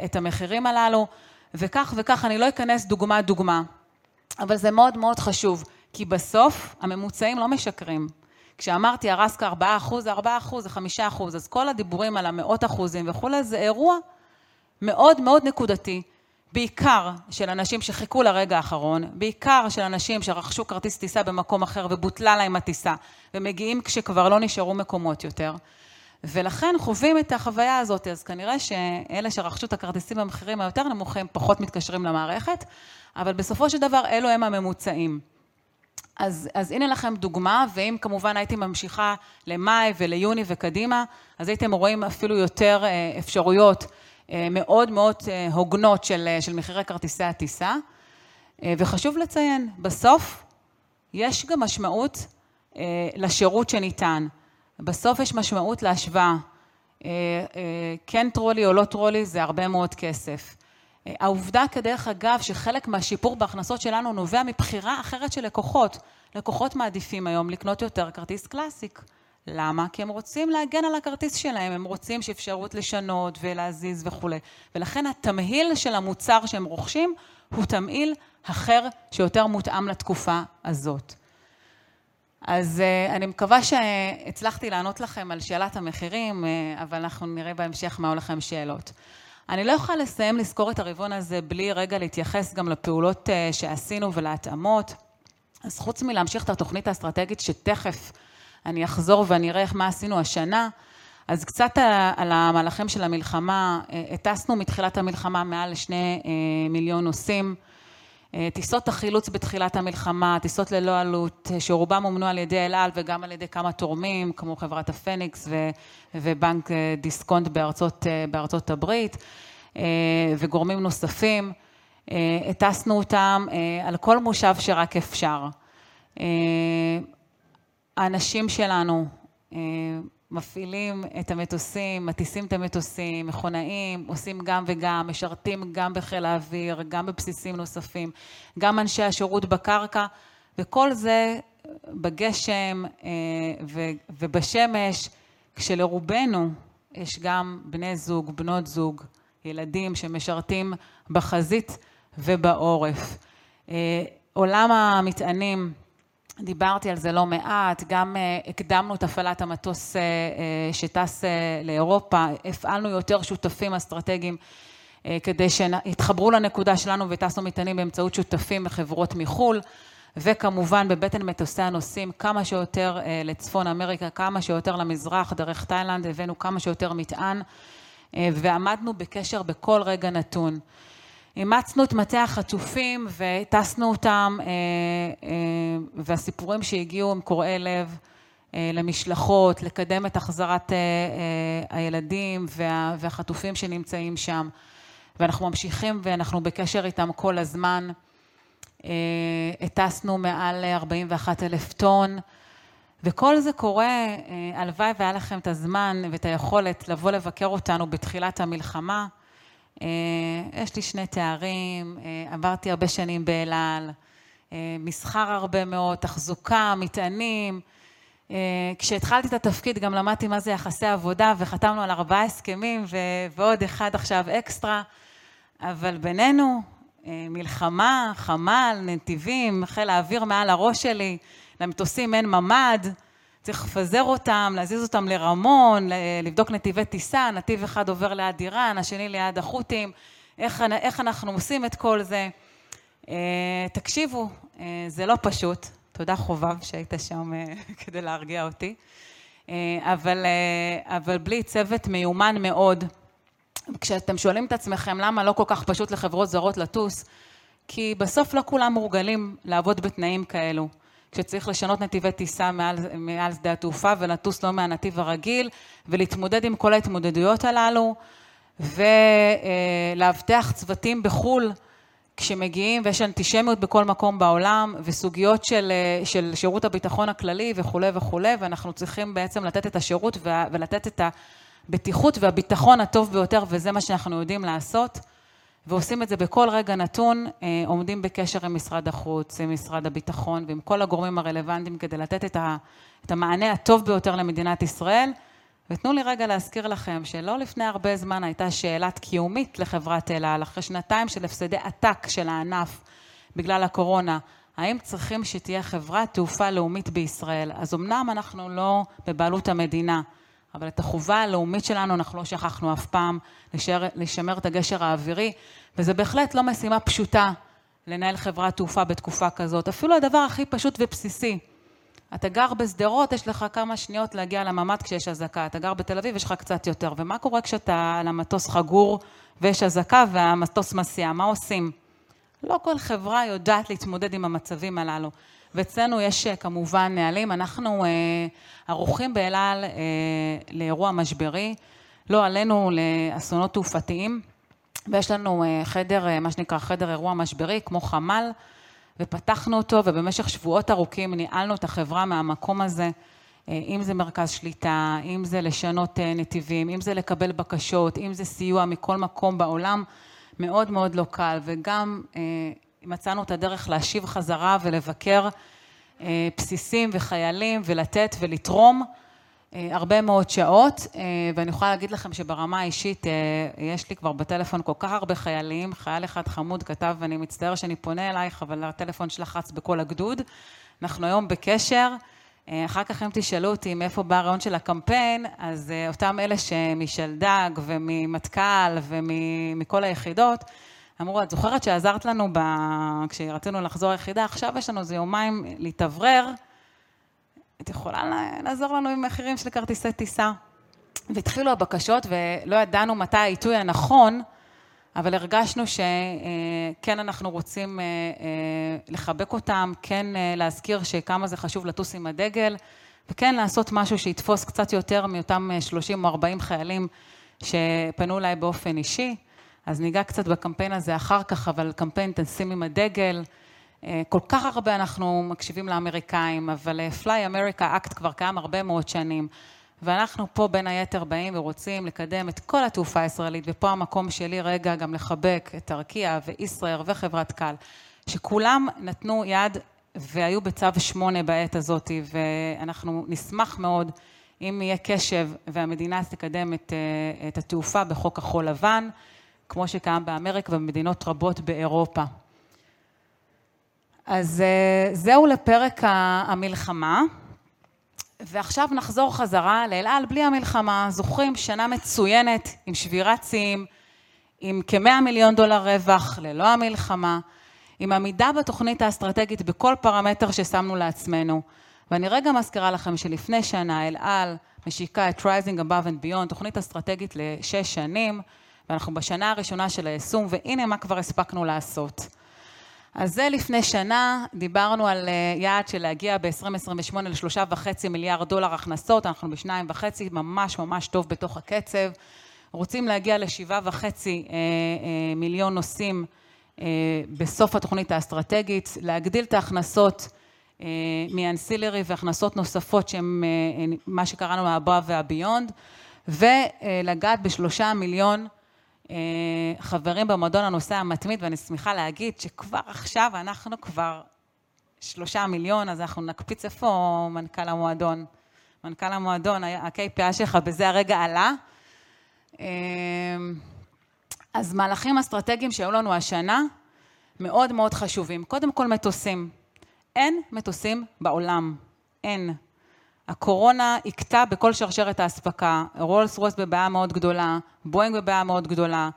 את המחירים הללו וכך וכך. אני לא אכנס דוגמה דוגמה, אבל זה מאוד מאוד חשוב, כי בסוף הממוצעים לא משקרים. כשאמרתי הרסקה 4%, זה 4%, זה 5%, אז כל הדיבורים על המאות אחוזים וכו', זה אירוע מאוד מאוד נקודתי, בעיקר של אנשים שחיכו לרגע האחרון, בעיקר של אנשים שרכשו כרטיס טיסה במקום אחר ובוטלה להם הטיסה ומגיעים כשכבר לא נשארו מקומות יותר ולכן חווים את החוויה הזאת. כנראה שאלה שרכשו את הכרטיסים במחירים היותר נמוכים פחות מתקשרים למערכת, אבל בסופו של דבר אלו הם הממוצעים. הנה לכם דוגמה ואם כמובן הייתי ממשיכה למאי וליוני וקדימה, אז הייתם רואים אפילו יותר אפשרויות מאוד מאוד הוגנות של מחירי כרטיסי הטיסה וחשוב לציין, בסוף יש גם משמעות לשירות שניתן, בסוף יש משמעות להשוואה, כן טרולי או לא טרולי, זה הרבה מאוד כסף. העובדה, כדרך אגב, שחלק מהשיפור בהכנסות שלנו נובע מבחירה אחרת של לקוחות, לקוחות מעדיפים היום לקנות יותר כרטיס קלאסיק, למה? כי הם רוצים להגן על הכרטיס שלהם, הם רוצים שתהיה אפשרות לשנות ולהזיז וכו', ולכן התמהיל של המוצר שהם רוכשים הוא תמהיל אחר שיותר מותאם לתקופה הזאת. אני מקווה שהצלחתי לענות לכם על שאלת המחירים, אבל אנחנו נראה בהמשך מה עולות לכם שאלות. אני לא יכולה לסיים לסקור את הרבעון הזה בלי רגע להתייחס גם לפעולות שעשינו ולהתאמות. חוץ מלהמשיך את התוכנית האסטרטגית שתכף אני אחזור ואני אראה מה עשינו השנה, קצת על המהלכים של המלחמה: הטסנו מתחילת המלחמה מעל לשני מיליון נוסעים, טיסות החילוץ בתחילת המלחמה, טיסות ללא עלות שרובן הומנו על ידי אל על וגם על ידי כמה תורמים כמו חברת הפניקס ובנק דיסקונט בארצות הברית וגורמים נוספים. הטסנו אותם על כל מושב שרק אפשר. האנשים שלנו מפעילים את המטוסים, מטיסים את המטוסים, מכונאים, עושים גם וגם, משרתים גם בחיל האוויר, גם בבסיסים נוספים, גם אנשי השירות בקרקע וכל זה בגשם ובשמש, כשלרובנו יש גם בני זוג, בנות זוג, ילדים שמשרתים בחזית ובעורף. עולם המטענים, דיברתי על זה לא מעט, גם הקדמנו את הפעלת המטוס שטס לאירופה, הפעלנו יותר שותפים אסטרטגיים כדי שיתחברו לנקודה שלנו ויטסו מטענים באמצעות שותפים מחברות מחו"ל וכמובן בבטן מטוסי הנוסעים, כמה שיותר לצפון אמריקה, כמה שיותר למזרח, דרך תאילנד הבאנו כמה שיותר מטען ועמדנו בקשר בכל רגע נתון. אימצנו את מטה החטופים וטסנו אותם והסיפורים שהגיעו הם קוראי לב למשלחות, לקדם את החזרת הילדים והחטופים שנמצאים שם ואנחנו ממשיכים ואנחנו בקשר איתם כל הזמן, הטסנו מעל 41 אלף טון וכל זה קורה, הלוואי והיה לכם את הזמן ואת היכולת לבוא לבקר אותנו בתחילת המלחמה. יש לי שני תארים, עברתי הרבה שנים באל על, מסחר הרבה מאוד, תחזוקה, מטענים, כשהתחלתי את התפקיד גם למדתי מה זה יחסי עבודה וחתמנו על ארבעה הסכמים ועוד אחד עכשיו אקסטרה, אבל בינינו, מלחמה, חמ"ל, נתיבים, חיל האוויר מעל הראש שלי, למטוסים אין ממ"ד, צריך לפזר אותם, להזיז אותם לרמון, לבדוק נתיבי טיסה, נתיב אחד עובר ליד איראן, השני ליד החות'ים, איך אנחנו עושים את כל זה? תקשיבו, זה לא פשוט. תודה חובב שהיית שם כדי להרגיע אותי, אבל בלי צוות מיומן מאוד, כשאתם שואלים את עצמכם למה לא כל כך פשוט לחברות זרות לטוס, כי בסוף לא כולם מורגלים לעבוד בתנאים כאלו, כשצריך לשנות נתיבי טיסה מעל שדה התעופה ולטוס לא מהנתיב הרגיל ולהתמודד עם כל ההתמודדויות הללו ולאבטח צוותים בחו"ל כשמגיעים ויש אנטישמיות בכל מקום בעולם וסוגיות של שירות הביטחון הכללי וכו' וכו' ואנחנו צריכים בעצם לתת את השירות ולתת את הבטיחות והביטחון הטוב ביותר וזה מה שאנחנו יודעים לעשות ועושים את זה בכל רגע נתון, עומדים בקשר עם משרד החוץ, עם משרד הביטחון ועם כל הגורמים הרלוונטיים כדי לתת את המענה הטוב ביותר למדינת ישראל. תנו לי רגע להזכיר לכם שלא לפני הרבה זמן הייתה שאלת קיומית לחברת אל על, אחרי שנתיים של הפסדי עתק של הענף בגלל הקורונה, האם צריכים שתהיה חברת תעופה לאומית בישראל? אז אמנם אנחנו לא בבעלות המדינה, אבל את החובה הלאומית שלנו אנחנו לא שכחנו אף פעם לשמר את הגשר האווירי וזה בהחלט לא משימה פשוטה לנהל חברת תעופה בתקופה כזאת. אפילו הדבר הכי פשוט ובסיסי, אתה גר בשדרות, יש לך כמה שניות להגיע לממ"ד כשיש אזעקה, אתה גר בתל אביב יש לך קצת יותר ומה קורה כשאתה על המטוס חגור ויש אזעקה והמטוס מסע, מה עושים? לא כל חברה יודעת להתמודד עם המצבים הללו ואצלנו יש כמובן נהלים, אנחנו ערוכים באל על לאירוע משברי, לא עלינו לאסונות תעופתיים ויש לנו חדר, מה שנקרא חדר אירוע משברי כמו חמ"ל ופתחנו אותו ובמשך שבועות ארוכים ניהלנו את החברה מהמקום הזה, אם זה מרכז שליטה, אם זה לשנות נתיבים, אם זה לקבל בקשות, אם זה סיוע מכל מקום בעולם, מאוד מאוד לא קל וגם מצאנו את הדרך להשיב חזרה ולבקר בסיסים וחיילים ולתת ולתרום הרבה מאוד שעות ואני יכולה להגיד לכם שברמה האישית יש לי כבר בטלפון כל כך הרבה חיילים, חייל אחד חמוד כתב ואני מצטער שאני פונה אלייך, אבל הטלפון שלך רץ בכל הגדוד, אנחנו היום בקשר, אחר כך אם תשאלו אותי מאיפה בא הרעיון של הקמפיין, אז אותם אלה שמשלד"ג וממטכ"ל ומכל היחידות אמרו, את זוכרת שעזרת לנו כשרצינו לחזור ליחידה, עכשיו יש לנו איזה יומיים להתאוורר, את יכולה לעזור לנו עם מחירים של כרטיסי טיסה? והתחילו הבקשות ולא ידענו מתי העיתוי הנכון, אבל הרגשנו שכן אנחנו רוצים לחבק אותם, כן להזכיר כמה זה חשוב לטוס עם הדגל וכן לעשות משהו שיתפוס קצת יותר מאותם 30 או 40 חיילים שפנו אליי באופן אישי. אז ניגע קצת בקמפיין הזה אחר כך, אבל קמפיין "תטוסו עם הדגל". כל כך הרבה אנחנו מקשיבים לאמריקאים, אבל Fly America Act כבר קיים הרבה מאוד שנים ואנחנו פה בין היתר באים ורוצים לקדם את כל התעופה הישראלית ופה המקום שלי רגע גם לחבק את ערקיע וישראל וחברת אל על, שכולם נתנו יד והיו בצו שמונה בעת הזאת ואנחנו נשמח מאוד אם יהיה קשב והמדינה תקדם את התעופה בחוק החול לבן, כמו שקיים באמריקה ובמדינות רבות באירופה. אז זהו לפרק המלחמה ועכשיו נחזור חזרה לאל על בלי המלחמה, זוכרים? שנה מצוינת עם שבירת שיאים, עם כ-$100 מיליון רווח ללא המלחמה, עם עמידה בתוכנית האסטרטגית בכל פרמטר ששמנו לעצמנו ואני רגע מזכירה לכם שלפני שנה אל על משיקה את Rising Above and Beyond, תוכנית אסטרטגית לשש שנים ואנחנו בשנה הראשונה של היישום והנה מה כבר הספקנו לעשות. זה לפני שנה, דיברנו על יעד של להגיע ב-2028 ל-$3.5 מיליארד הכנסות, אנחנו ב-$2.5, ממש ממש טוב בתוך הקצב, רוצים להגיע ל-7.5 מיליון נוסעים בסוף התוכנית האסטרטגית, להגדיל את ההכנסות מאנסילרי והכנסות נוספות שהן מה שקראנו מה-Above וה-Beyond ולגעת ב-3 מיליון חברים במועדון הנוסע המתמיד ואני שמחה להגיד שכבר עכשיו אנחנו כבר 3 מיליון, אז אנחנו נקפיץ איפה מנכ"ל המועדון? מנכ"ל המועדון, ה-KPI שלך בזה הרגע עלה. מהלכים אסטרטגיים שהיו לנו השנה מאוד מאוד חשובים, קודם כל מטוסים, אין מטוסים בעולם. הקורונה הכתה בכל שרשרת האספקה, רולס רויס בבעיה מאוד גדולה, בואינג בבעיה מאוד גדולה,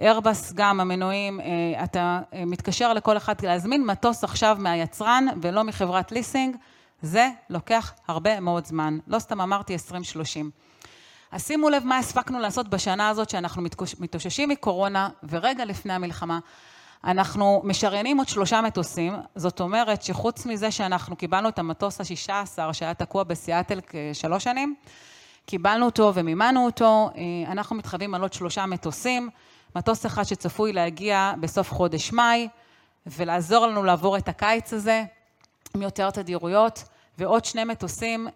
איירבס גם. המנויים, אתה מתקשר לכל אחד להזמין מטוס עכשיו מהיצרן ולא מחברת ליסינג, זה לוקח הרבה מאוד זמן. לא סתם אמרתי 20-30. אז שימו לב מה הספקנו לעשות בשנה הזאת שאנחנו מתאוששים מקורונה ורגע לפני המלחמה, אנחנו משריינים עוד שלושה מטוסים. זאת אומרת שחוץ מזה שאנחנו קיבלנו את המטוס ה-16 שהיה תקוע בסיאטל כשלוש שנים, קיבלנו אותו ומימנו אותו, אנחנו מתחייבים על עוד שלושה מטוסים. מטוס אחד שצפוי להגיע בסוף חודש מאי ולעזור לנו לעבור את הקיץ הזה עם יותר תדירויות, ועוד שני מטוסים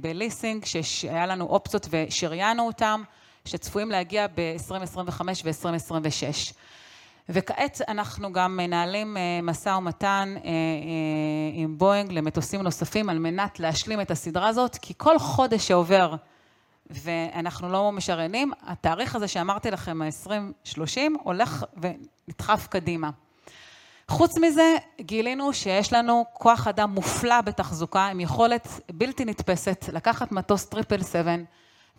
בליסינג שהיו לנו אופציות ושריינו אותם, שצפויים להגיע ב-2025 ו-2026. וכעת אנחנו גם מנהלים משא ומתן עם בואינג למטוסים נוספים על מנת להשלים את הסדרה הזאת, כי כל חודש שעובר ואנחנו לא משריינים, התאריך הזה שאמרתי לכם ה-20-30 הולך ונדחף קדימה. חוץ מזה, גילינו שיש לנו כוח אדם מופלא בתחזוקה, עם יכולת בלתי נתפסת לקחת מטוס טריפל 7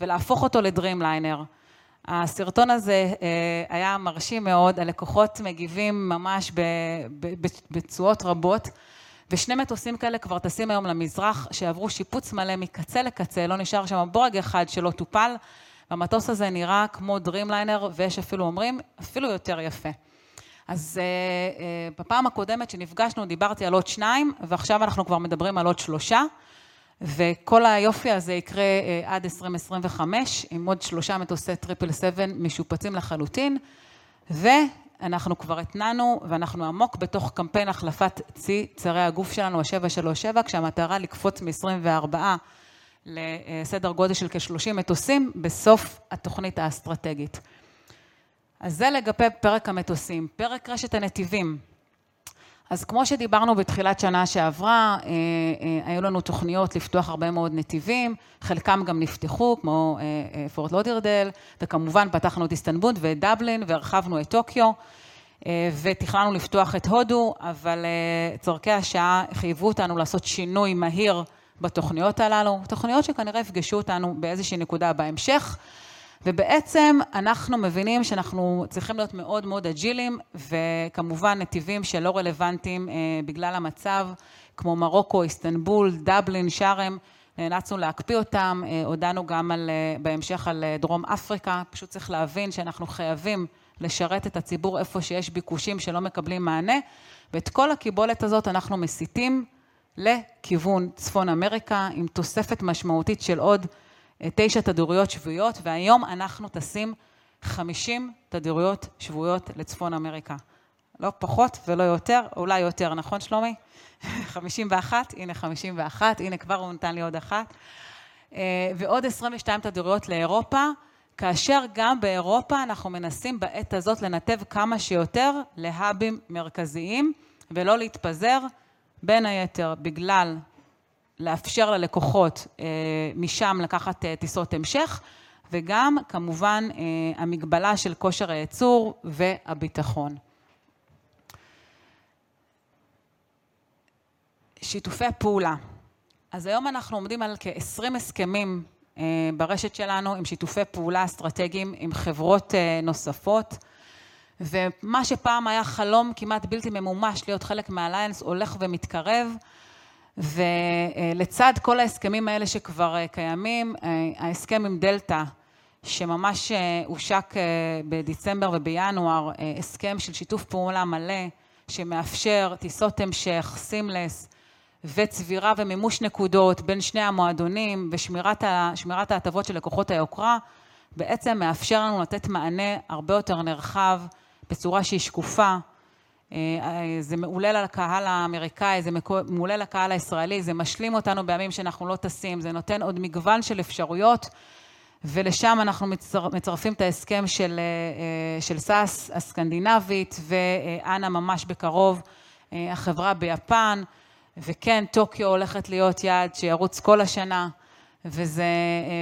ולהפוך אותו לדרימליינר. הסרטון הזה היה מרשים מאוד, הלקוחות מגיבים ממש בתשואות רבות ושני מטוסים כאלה כבר טסים היום למזרח, שעברו שיפוץ מלא מקצה לקצה. לא נשאר שם בורג אחד שלא טופל והמטוס הזה נראה כמו דרימליינר ויש אפילו אומרים אפילו יותר יפה. בפעם הקודמת שנפגשנו דיברתי על עוד שניים ועכשיו אנחנו כבר מדברים על עוד שלושה וכל היופי הזה יקרה עד 2025 עם עוד שלושה מטוסי טריפל 7 משופצים לחלוטין. אנחנו כבר התנענו ואנחנו עמוק בתוך קמפיין החלפת צי צרי הגוף שלנו ה-737, כשהמטרה לקפוץ מ-24 לסדר גודל של כ-30 מטוסים בסוף התוכנית האסטרטגית. זה לגבי פרק המטוסים, פרק רשת הנתיבים. אז כמו שדיברנו בתחילת שנה שעברה, היו לנו תוכניות לפתוח הרבה מאוד נתיבים, חלקם גם נפתחו כמו פורט לודרדייל וכמובן פתחנו את איסטנבול ואת דבלין והרחבנו את טוקיו ותכננו לפתוח את הודו. אבל צרכי השעה חייבו אותנו לעשות שינוי מהיר בתוכניות הללו, תוכניות שכנראה יפגשו אותנו באיזושהי נקודה בהמשך. ובעצם אנחנו מבינים שאנחנו צריכים להיות מאוד מאוד אג'ילים וכמובן נתיבים שלא רלוונטיים בגלל המצב כמו מרוקו, איסטנבול, דבלין, שארם, נאלצנו להקפיא אותם. הודענו גם בהמשך על דרום אפריקה. פשוט צריך להבין שאנחנו חייבים לשרת את הציבור איפה שיש ביקושים שלא מקבלים מענה ואת כל הקיבולת הזאת אנחנו מסיטים לכיוון צפון אמריקה עם תוספת משמעותית של עוד תשע תדירויות שבועיות והיום אנחנו טסים 50 תדירויות שבועיות לצפון אמריקה, לא פחות ולא יותר, אולי יותר, נכון שלומי? הנה 51, הנה כבר הוא נתן לי עוד אחת ועוד 22 תדירויות לאירופה, כאשר גם באירופה אנחנו מנסים בעת הזאת לנתב כמה שיותר להאבים מרכזיים ולא להתפזר, בין היתר בגלל לאפשר ללקוחות משם לקחת טיסות המשך וגם כמובן המגבלה של כושר הייצור והביטחון. שיתופי פעולה. אז היום אנחנו עומדים על כ-20 הסכמים ברשת שלנו עם שיתופי פעולה אסטרטגיים עם חברות נוספות, ומה שפעם היה חלום כמעט בלתי ממומש להיות חלק מאליאנס הולך ומתקרב. לצד כל ההסכמים האלה שכבר קיימים, ההסכם עם דלתא שממש הושק בדצמבר ובינואר, הסכם של שיתוף פעולה מלא שמאפשר טיסות המשך, סים-לס וצבירה ומימוש נקודות בין שני המועדונים ושמירת ההטבות של לקוחות היוקרה, בעצם מאפשר לנו לתת מענה הרבה יותר נרחב בצורה שהיא שקופה. זה מעולל על הקהל האמריקאי, זה מעולל על הקהל הישראלי, זה משלים אותנו בימים שאנחנו לא טסים, זה נותן עוד מגוון של אפשרויות. לשם אנחנו מצרפים את ההסכם של SAS הסקנדינבית ו-ANA ממש בקרוב, החברה ביפן, וכן טוקיו הולכת להיות יעד שירוץ כל השנה וזה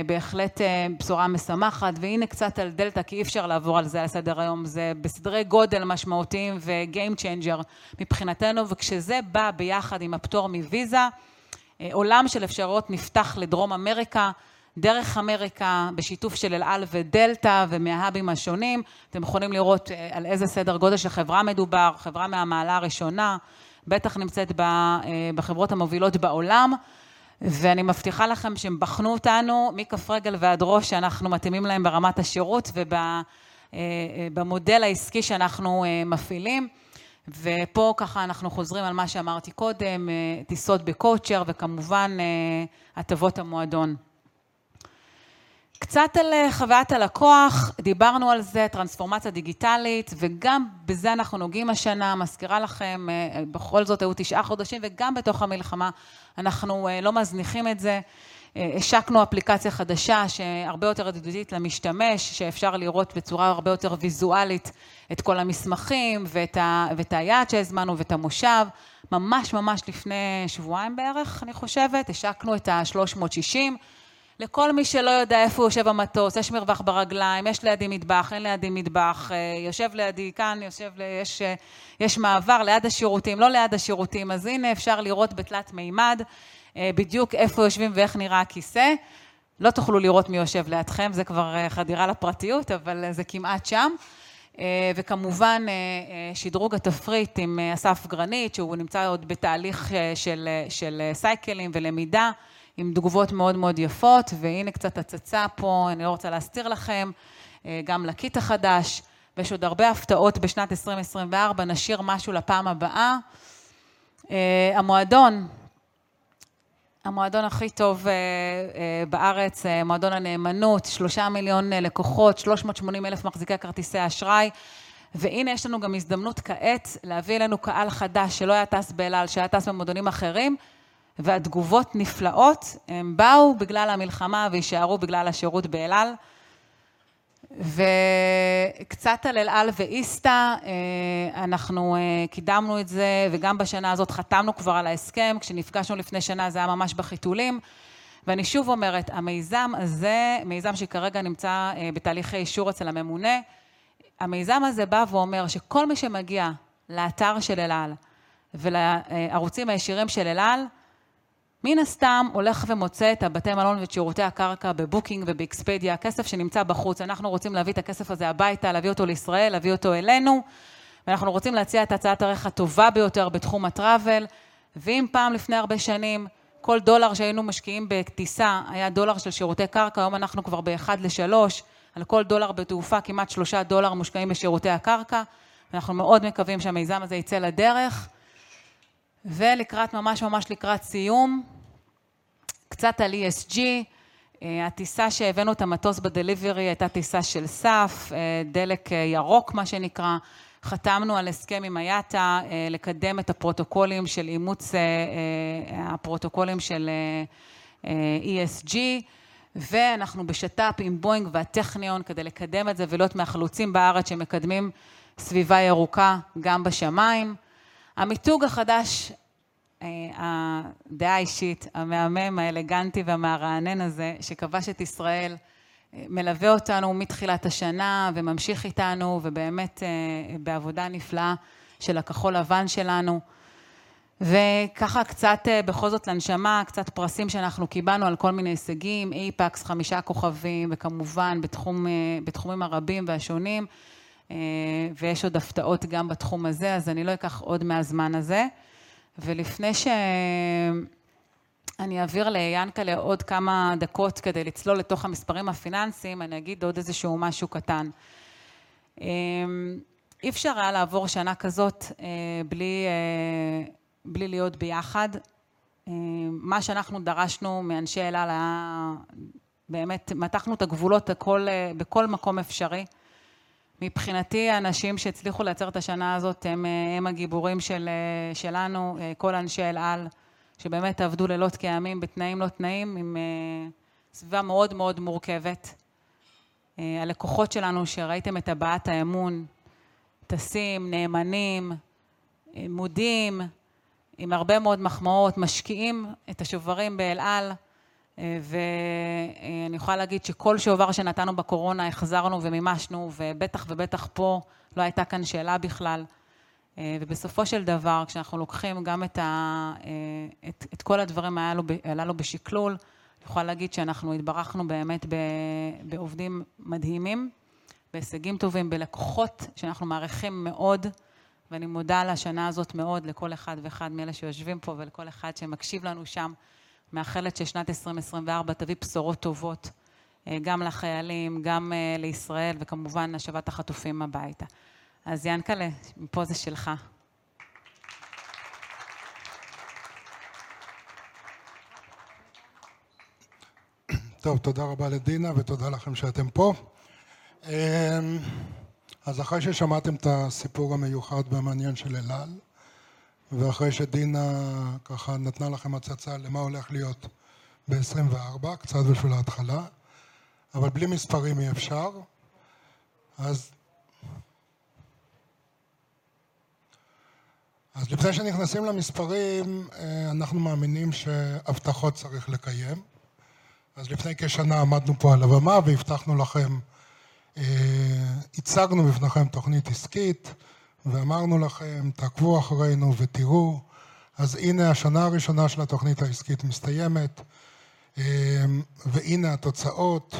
בהחלט בשורה משמחת. והנה קצת על דלתא, כי אי אפשר לעבור על זה על סדר היום. זה בסדרי גודל משמעותיים ו-game changer מבחינתנו, וכשזה בא ביחד עם הפטור מויזה, עולם של אפשרויות נפתח לדרום אמריקה דרך אמריקה בשיתוף של אל על ודלתא ומההאבים השונים. אתם יכולים לראות על איזה סדר גודל של חברה מדובר, חברה מהמעלה הראשונה, בטח נמצאת בחברות המובילות בעולם. אני מבטיחה לכם שהם בחנו אותנו מכף רגל ועד ראש שאנחנו מתאימים להם ברמת השירות ובמודל העסקי שאנחנו מפעילים. פה אנחנו חוזרים על מה שאמרתי קודם, טיסות בקוצ'ר וכמובן הטבות המועדון. קצת על חוויית הלקוח, דיברנו על זה, טרנספורמציה דיגיטלית וגם בזה אנחנו נוגעים השנה. מזכירה לכם, בכל זאת היו תשעה חודשים וגם בתוך המלחמה אנחנו לא מזניחים את זה. השקנו אפליקציה חדשה שהרבה יותר ידידותית למשתמש, שאפשר לראות בצורה הרבה יותר ויזואלית את כל המסמכים ואת היעד שהזמנו ואת המושב. ממש ממש לפני שבועיים בערך אני חושבת, השקנו את ה-360. לכל מי שלא יודע איפה יושב המטוס, יש מרווח ברגליים, יש לידי מטבח, אין לידי מטבח, יושב לידי כאן, יש מעבר ליד השירותים, לא ליד השירותים. הנה אפשר לראות בתלת מימד בדיוק איפה יושבים ואיך נראה הכיסא. לא תוכלו לראות מי יושב לידכם, זה כבר חדירה לפרטיות, אבל זה כמעט שם. וכמובן שדרוג התפריט עם אסף גרניט שהוא נמצא עוד בתהליך של סייקלים ולמידה עם תגובות מאוד מאוד יפות. והנה קצת הצצה פה, אני לא רוצה להסתיר לכם, גם לקיט החדש ויש עוד הרבה הפתעות בשנת 2024. נשאיר משהו לפעם הבאה. המועדון, המועדון הכי טוב בארץ, מועדון הנאמנות, שלושה מיליון לקוחות, 380 אלף מחזיקי כרטיסי אשראי והנה יש לנו גם הזדמנות כעת להביא אלינו קהל חדש שלא היה טס באל על, שהיה טס במועדונים אחרים והתגובות נפלאות. הם באו בגלל המלחמה ויישארו בגלל השירות באל על. וקצת על אל על ואיסטה, אנחנו קידמנו את זה וגם בשנה הזאת חתמנו כבר על ההסכם. כשנפגשנו לפני שנה זה היה ממש בחיתולים ואני שוב אומרת, המיזם הזה, מיזם שכרגע נמצא בתהליך אישור אצל הממונה, המיזם הזה בא ואומר שכל מי שמגיע לאתר של אל על ולערוצים הישירים של אל על, מן הסתם הולך ומוצא את בתי המלון ואת שירותי הקרקע ב-Booking וב-Expedia, כסף שנמצא בחוץ. אנחנו רוצים להביא את הכסף הזה הביתה, להביא אותו לישראל, להביא אותו אלינו ואנחנו רוצים להציע את הצעת הערך הטובה ביותר בתחום ה-Travel. ואם פעם לפני הרבה שנים, כל דולר שהיינו משקיעים בטיסה היה דולר של שירותי קרקע, היום אנחנו כבר ב-1 ל-3, על כל דולר בתעופה כמעט 3 דולר מושקעים בשירותי הקרקע ואנחנו מאוד מקווים שהמיזם הזה יצא לדרך ולקראת ממש ממש לקראת סיום. קצת על ESG, הטיסה שהבאנו את המטוס בדליברי הייתה טיסה של SAF, דלק ירוק מה שנקרא, חתמנו על הסכם עם IATA לקדם את הפרוטוקולים של אימוץ הפרוטוקולים של ESG ואנחנו בשיתוף עם בואינג והטכניון כדי לקדם את זה ולהיות מהחלוצים בארץ שמקדמים סביבה ירוקה גם בשמיים. המיתוג החדש, הדעה האישית, המהמם, האלגנטי והמרענן הזה שכבש את ישראל, מלווה אותנו מתחילת השנה וממשיך איתנו ובאמת בעבודה נפלאה של הכחול-לבן שלנו וככה קצת בכל זאת לנשמה. קצת פרסים שאנחנו קיבלנו על כל מיני הישגים, APACS חמישה כוכבים וכמובן בתחומים הרבים והשונים ויש עוד הפתעות גם בתחום הזה. אז אני לא אקח עוד מהזמן הזה ולפני שאני אעביר לעיין קלה עוד כמה דקות כדי לצלול לתוך המספרים הפיננסיים, אני אגיד עוד איזשהו משהו קטן. אי אפשר היה לעבור שנה כזאת בלי להיות ביחד. מה שאנחנו דרשנו מאנשי אל על היה באמת, מתחנו את הגבולות הכל בכל מקום אפשרי. מבחינתי האנשים שהצליחו לייצר את השנה הזאת הם הגיבורים שלנו, כל אנשי אל על, שבאמת עבדו לילות כימים בתנאים לא תנאים, עם סביבה מאוד מאוד מורכבת. הלקוחות שלנו שראיתם את הבעת האמון, טסים, נאמנים, מודים, עם הרבה מאוד מחמאות, משקיעים את השוברים באל על ואני יכולה להגיד שכל שובר שנתנו בקורונה החזרנו ומימשנו ובטח ובטח פה לא הייתה כאן שאלה בכלל. בסופו של דבר, כשאנחנו לוקחים גם את כל הדברים שהעלו בשקלול, אני יכולה להגיד שאנחנו התברכנו באמת בעובדים מדהימים, בהישגים טובים, בלקוחות שאנחנו מעריכים מאוד ואני מודה על השנה הזאת מאוד לכל אחד ואחד מאלה שיושבים פה ולכל אחד שמקשיב לנו שם. מאחלת ששנת 2024 תביא בשורות טובות גם לחיילים, גם לישראל וכמובן השבת החטופים הביתה. יען קלה, מפה זה שלך. תודה רבה לדינה ותודה לכם שאתם פה. אחרי ששמעתם את הסיפור המיוחד והמעניין של אל על ואחרי שדינה ככה נתנה לכם הצצה למה הולך להיות ב-2024, קצת בשביל ההתחלה, אבל בלי מספרים אי אפשר. לפני שנכנסים למספרים, אנחנו מאמינים שהבטחות צריך לקיים. אז לפני כשנה עמדנו פה על הבמה והבטחנו לכם, הצגנו בפניכם תוכנית עסקית ואמרנו לכם תעקבו אחרינו ותראו. אז הנה השנה הראשונה של התוכנית העסקית מסתיימת והנה התוצאות.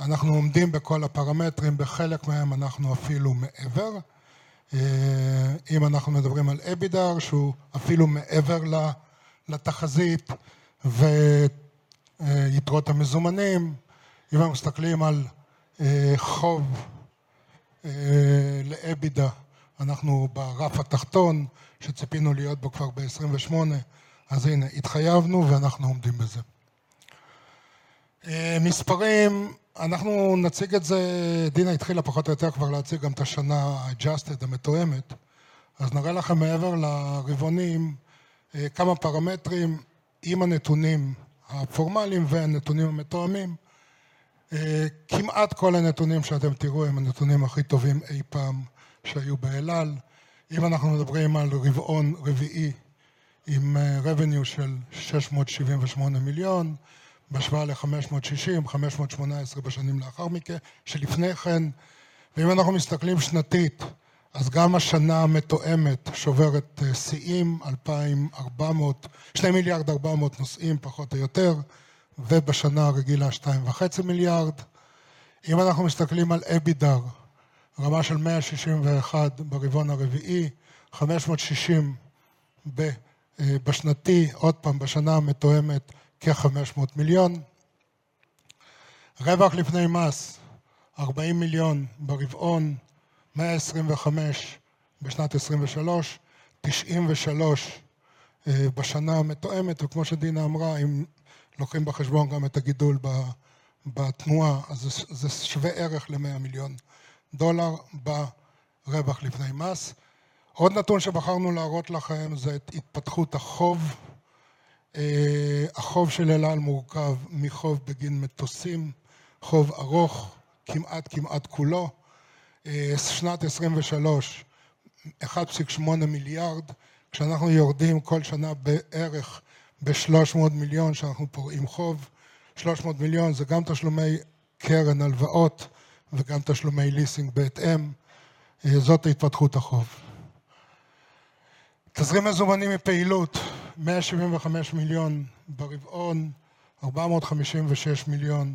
אנחנו עומדים בכל הפרמטרים, בחלק מהם אנחנו אפילו מעבר. אם אנחנו מדברים על EBITDA שהוא אפילו מעבר לתחזית ויתרות המזומנים, אם אנחנו מסתכלים על חוב ל-EBITDA, אנחנו ברף התחתון שציפינו להיות בו כבר ב-2028. אז הנה התחייבנו ואנחנו עומדים בזה. מספרים, אנחנו נציג את זה. דינה התחילה פחות או יותר כבר להציג גם את השנה המתואמת, אז נראה לכם מעבר לרבעונים כמה פרמטרים עם הנתונים הפורמליים והנתונים המתואמים. כמעט כל הנתונים שאתם תראו הם הנתונים הכי טובים אי פעם שהיו באל על. אם אנחנו מדברים על רבעון רביעי עם revenue של ₪678 מיליון, בהשוואה ל-₪560, ₪518 בשנים לפני כן, ואם אנחנו מסתכלים שנתית, אז גם השנה המתואמת שוברת שיאים - ₪2.4 מיליארד נוסעים פחות או יותר, ובשנה הרגילה ₪2.5 מיליארד. אם אנחנו מסתכלים על EBITDA, רמה של ₪161 מיליון ברבעון הרביעי, ₪560 מיליון בשנתי, עוד פעם בשנה המתואמת כ-₪500 מיליון. רווח לפני מס ₪40 מיליון ברבעון, ₪125 מיליון בשנת 2023, ₪93 מיליון בשנה המתואמת. כמו שדינה אמרה, אם לוקחים בחשבון גם את הגידול בתנועה, אז זה שווה ערך ל-$100 מיליון ברווח לפני מס. עוד נתון שבחרנו להראות לכם זה את התפתחות החוב. החוב של אל על מורכב מחוב בגין מטוסים, חוב ארוך כמעט כולו. שנת 2023 $1.8 מיליארד, כשאנחנו יורדים כל שנה בערך ב-$300 מיליון שאנחנו פורעים חוב. $300 מיליון זה גם תשלומי קרן הלוואות וגם תשלומי ליסינג בהתאם. זאת התפתחות החוב. תזרים מזומנים מפעילות $175 מיליון ברבעון, $456 מיליון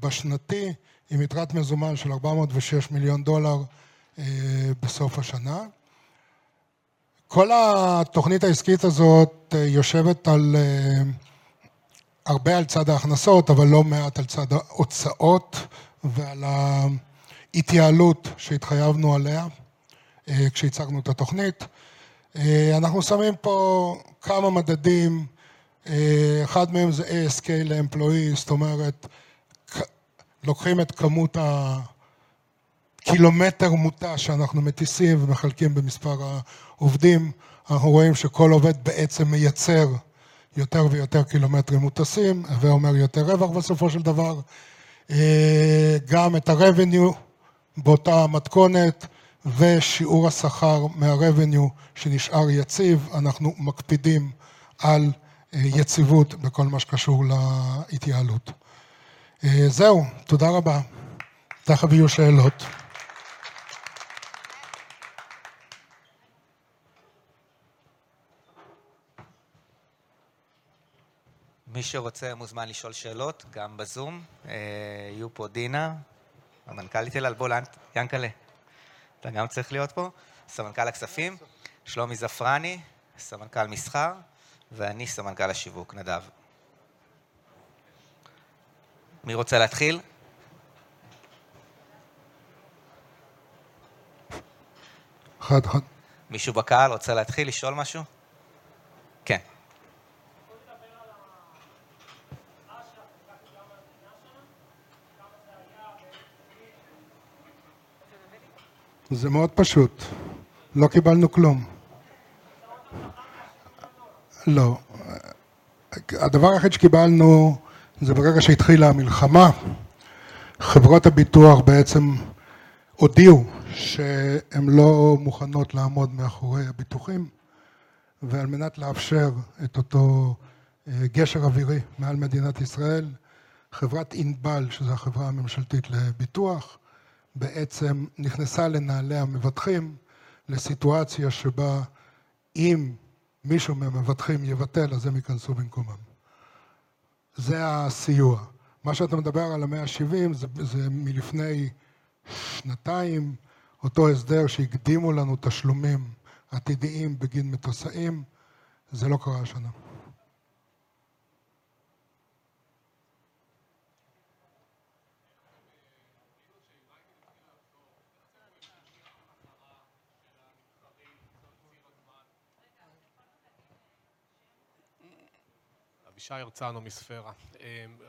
בשנתי עם יתרת מזומן של $406 מיליון דולר בסוף השנה. כל התוכנית העסקית הזאת יושבת הרבה על צד ההכנסות, אבל לא מעט על צד ההוצאות ועל ההתייעלות שהתחייבנו עליה כשהצגנו את התוכנית. אנחנו שמים פה כמה מדדים, אחד מהם זה ASK לעובד, זאת אומרת לוקחים את כמות הקילומטר מושב שאנחנו מטיסים ומחלקים במספר העובדים. אנחנו רואים שכל עובד בעצם מייצר יותר ויותר קילומטרים מושבים ואומר יותר רווח בסופו של דבר, גם את ה-revenue באותה המתכונת ושיעור השכר מה-revenue שנשאר יציב. אנחנו מקפידים על יציבות בכל מה שקשור להתייעלות. זהו, תודה רבה, תכף יהיו שאלות. מי שרוצה מוזמן לשאול שאלות גם בזום. יהיו פה דינה, המנכ"לית אל על, בוא יען קלה, אתה גם צריך להיות פה, סמנכ"ל הכספים, שלומי זפרני, סמנכ"ל מסחר ואני סמנכ"ל השיווק, נדב. מי רוצה להתחיל? אחד אחד. מישהו בקהל רוצה להתחיל לשאול משהו? כן. בוא נדבר על ההצלחה שלך, דיברת גם על המדינה שלך, כמה זה היה באיזה תחומים? זה מאוד פשוט, לא קיבלנו כלום. הצעות הבטחה ב-$100 מיליון? לא, הדבר היחיד שקיבלנו זה ברגע שהתחילה המלחמה, חברות הביטוח בעצם הודיעו שהן לא מוכנות לעמוד מאחורי הביטוחים ועל מנת לאפשר את אותו גשר אווירי מעל מדינת ישראל, חברת אינבל, שזו החברה הממשלתית לביטוח, בעצם נכנסה לנהלי המבטחים לסיטואציה שבה אם מישהו מהמבטחים יבטל, אז הם ייכנסו במקומם. זה הסיוע. מה שאתה מדבר על ה-170 זה מלפני שנתיים, אותו הסדר שהקדימו לנו תשלומים עתידיים בגין מטוסים, זה לא קרה השנה. איך אתם מרגישים שאם מייקל התחיל לחשוב, איך אתם מרגישים שהתמחרה של המתחרים תהיה על ציר הזמן? אתם יכולים להגיד שהם. אבישי הרצנו מספירה,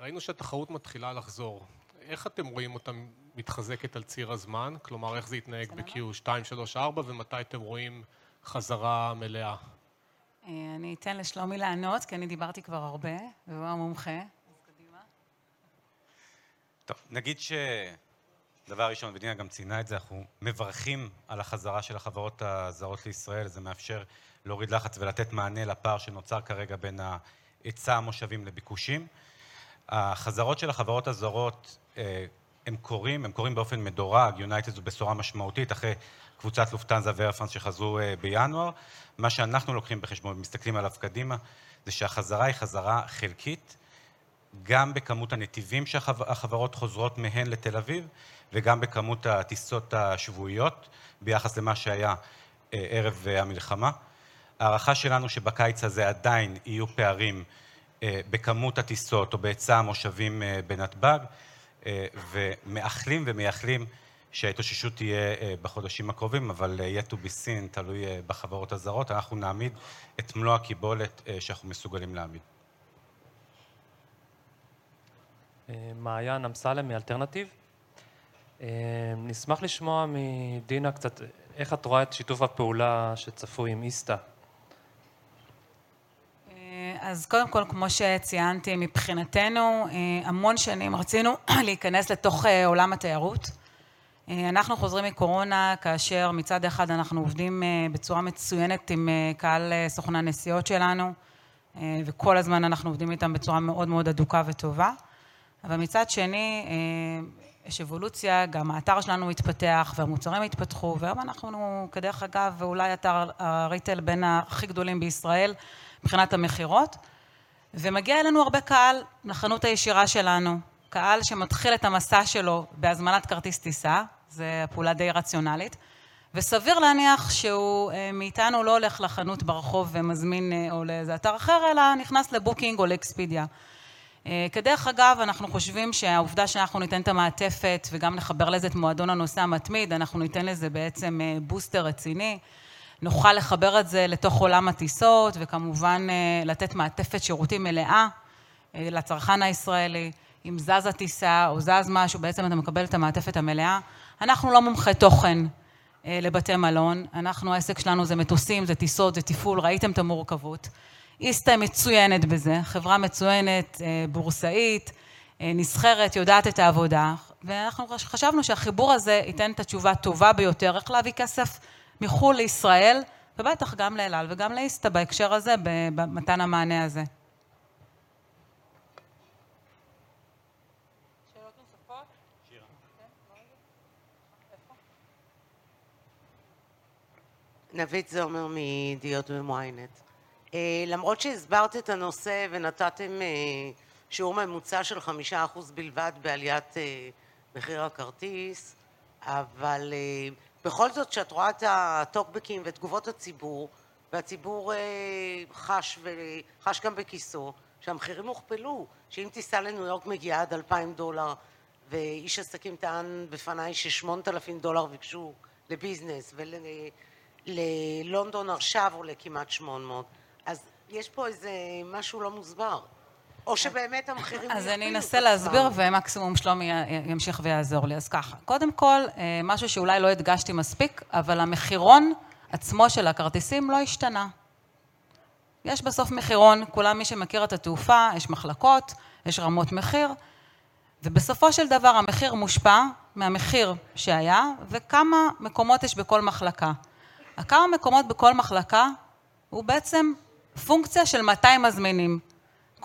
ראינו שהתחרות מתחילה לחזור, איך אתם רואים אותה מתחזקת על ציר הזמן? כלומר, איך זה יתנהג ב-Q2, Q3, Q4 ומתי אתם רואים חזרה מלאה? אני אתן לשלומי לענות, כי אני דיברתי כבר הרבה והוא המומחה, אז קדימה. טוב, נגיד שדבר ראשון ודינה גם ציינה את זה, אנחנו מברכים על החזרה של החברות הזרות לישראל, זה מאפשר להוריד לחץ ולתת מענה לפער שנוצר כרגע בין העצה המושבים לביקושים. החזרות של החברות הזרות הן קורות, הן קורות באופן מדורג, יונייטד זו בשורה משמעותית אחרי קבוצת לופטנזה ורפרנס שחזרו בינואר, מה שאנחנו לוקחים בחשבון ומסתכלים עליו קדימה, זה שהחזרה היא חזרה חלקית, גם בכמות הנתיבים שהחברות חוזרות מהן לתל אביב וגם בכמות הטיסות השבועיות ביחס למה שהיה ערב המלחמה. ההערכה שלנו שבקיץ הזה עדיין יהיו פערים בכמות הטיסות או בעצם המושבים בנתב"ג ומאחלים ומייחלים שההתאוששות תהיה בחודשים הקרובים, אבל יהיה to be seen, תלוי בחברות הזרות. אנחנו נעמיד את מלוא הקיבולת שאנחנו מסוגלים להעמיד. מעיין אמסלם מאלטרנטיב, נשמח לשמוע מדינה קצת איך את רואה את שיתוף הפעולה שצפוי עם איסטה? קודם כל, כמו שציינתי, מבחינתנו המון שנים רצינו להיכנס לתוך עולם התיירות. אנחנו חוזרים מקורונה כאשר מצד אחד אנחנו עובדים בצורה מצוינת עם קהל סוכני הנסיעות שלנו וכל הזמן אנחנו עובדים איתם בצורה מאוד מאוד הדוקה וטובה, אבל מצד שני, יש אבולוציה. גם האתר שלנו התפתח והמוצרים התפתחו והיום אנחנו, כדרך אגב, אולי אתר הריטייל בין הכי גדולים בישראל מבחינת המכירות ומגיע אלינו הרבה קהל לחנות הישירה שלנו, קהל שמתחיל את המסע שלו בהזמנת כרטיס טיסה. זו פעולה די רציונלית וסביר להניח שהוא מאיתנו לא הולך לחנות ברחוב ומזמין או לאיזה אתר אחר, אלא נכנס ל-Booking או ל-Expedia. כדרך אגב, אנחנו חושבים שהעובדה שאנחנו ניתן את המעטפת וגם נחבר לזה את מועדון הנוסע המתמיד, אנחנו ניתן לזה בעצם בוסטר רציני. נוכל לחבר את זה לתוך עולם הטיסות וכמובן לתת מעטפת שירותים מלאה לצרכן הישראלי. אם זזה טיסה או זז משהו, בעצם אתה מקבל את המעטפת המלאה. אנחנו לא מומחי תוכן לבתי מלון, אנחנו העסק שלנו זה מטוסים, זה טיסות, זה תפעול. ראיתם את המורכבות, איסטה היא מצוינת בזה, חברה מצוינת, בורסאית, נסחרת, יודעת את העבודה ואנחנו חשבנו שהחיבור הזה ייתן את התשובה הטובה ביותר איך להביא כסף מחו"ל לישראל ובטח גם לאל על וגם לאיסטה בהקשר הזה, במתן המענה הזה. שאלות נוספות? שירה. כן? מה זה? סליחה, איפה? נווית זומר מדיוט ומוואינט, למרות שהסברת את הנושא ונתתם שיעור ממוצע של 5% בלבד בעליית מחיר הכרטיס, בכל זאת, כשאת רואה את הטוקבקים ותגובות הציבור והציבור חש גם בכיסו שהמחירים הוכפלו, שאם טיסה לניו יורק מגיעה עד $2,000 ואיש עסקים טען בפניי ש-$8,000 ביקשו לביזנס וללונדון עכשיו או לכמעט $800, יש פה איזה משהו לא מוסבר או שבאמת המחירים... אני אנסה להסביר ומקסימום שלומי ימשיך ויעזור לי. קודם כל, משהו שאולי לא הדגשתי מספיק, המחירון עצמו של הכרטיסים לא השתנה. יש בסוף מחירון, כולם, מי שמכיר את התעופה, יש מחלקות, יש רמות מחיר ובסופו של דבר המחיר מושפע מהמחיר שהיה וכמה מקומות יש בכל מחלקה. הכמה מקומות בכל מחלקה הוא בעצם פונקציה של 200 מזמינים.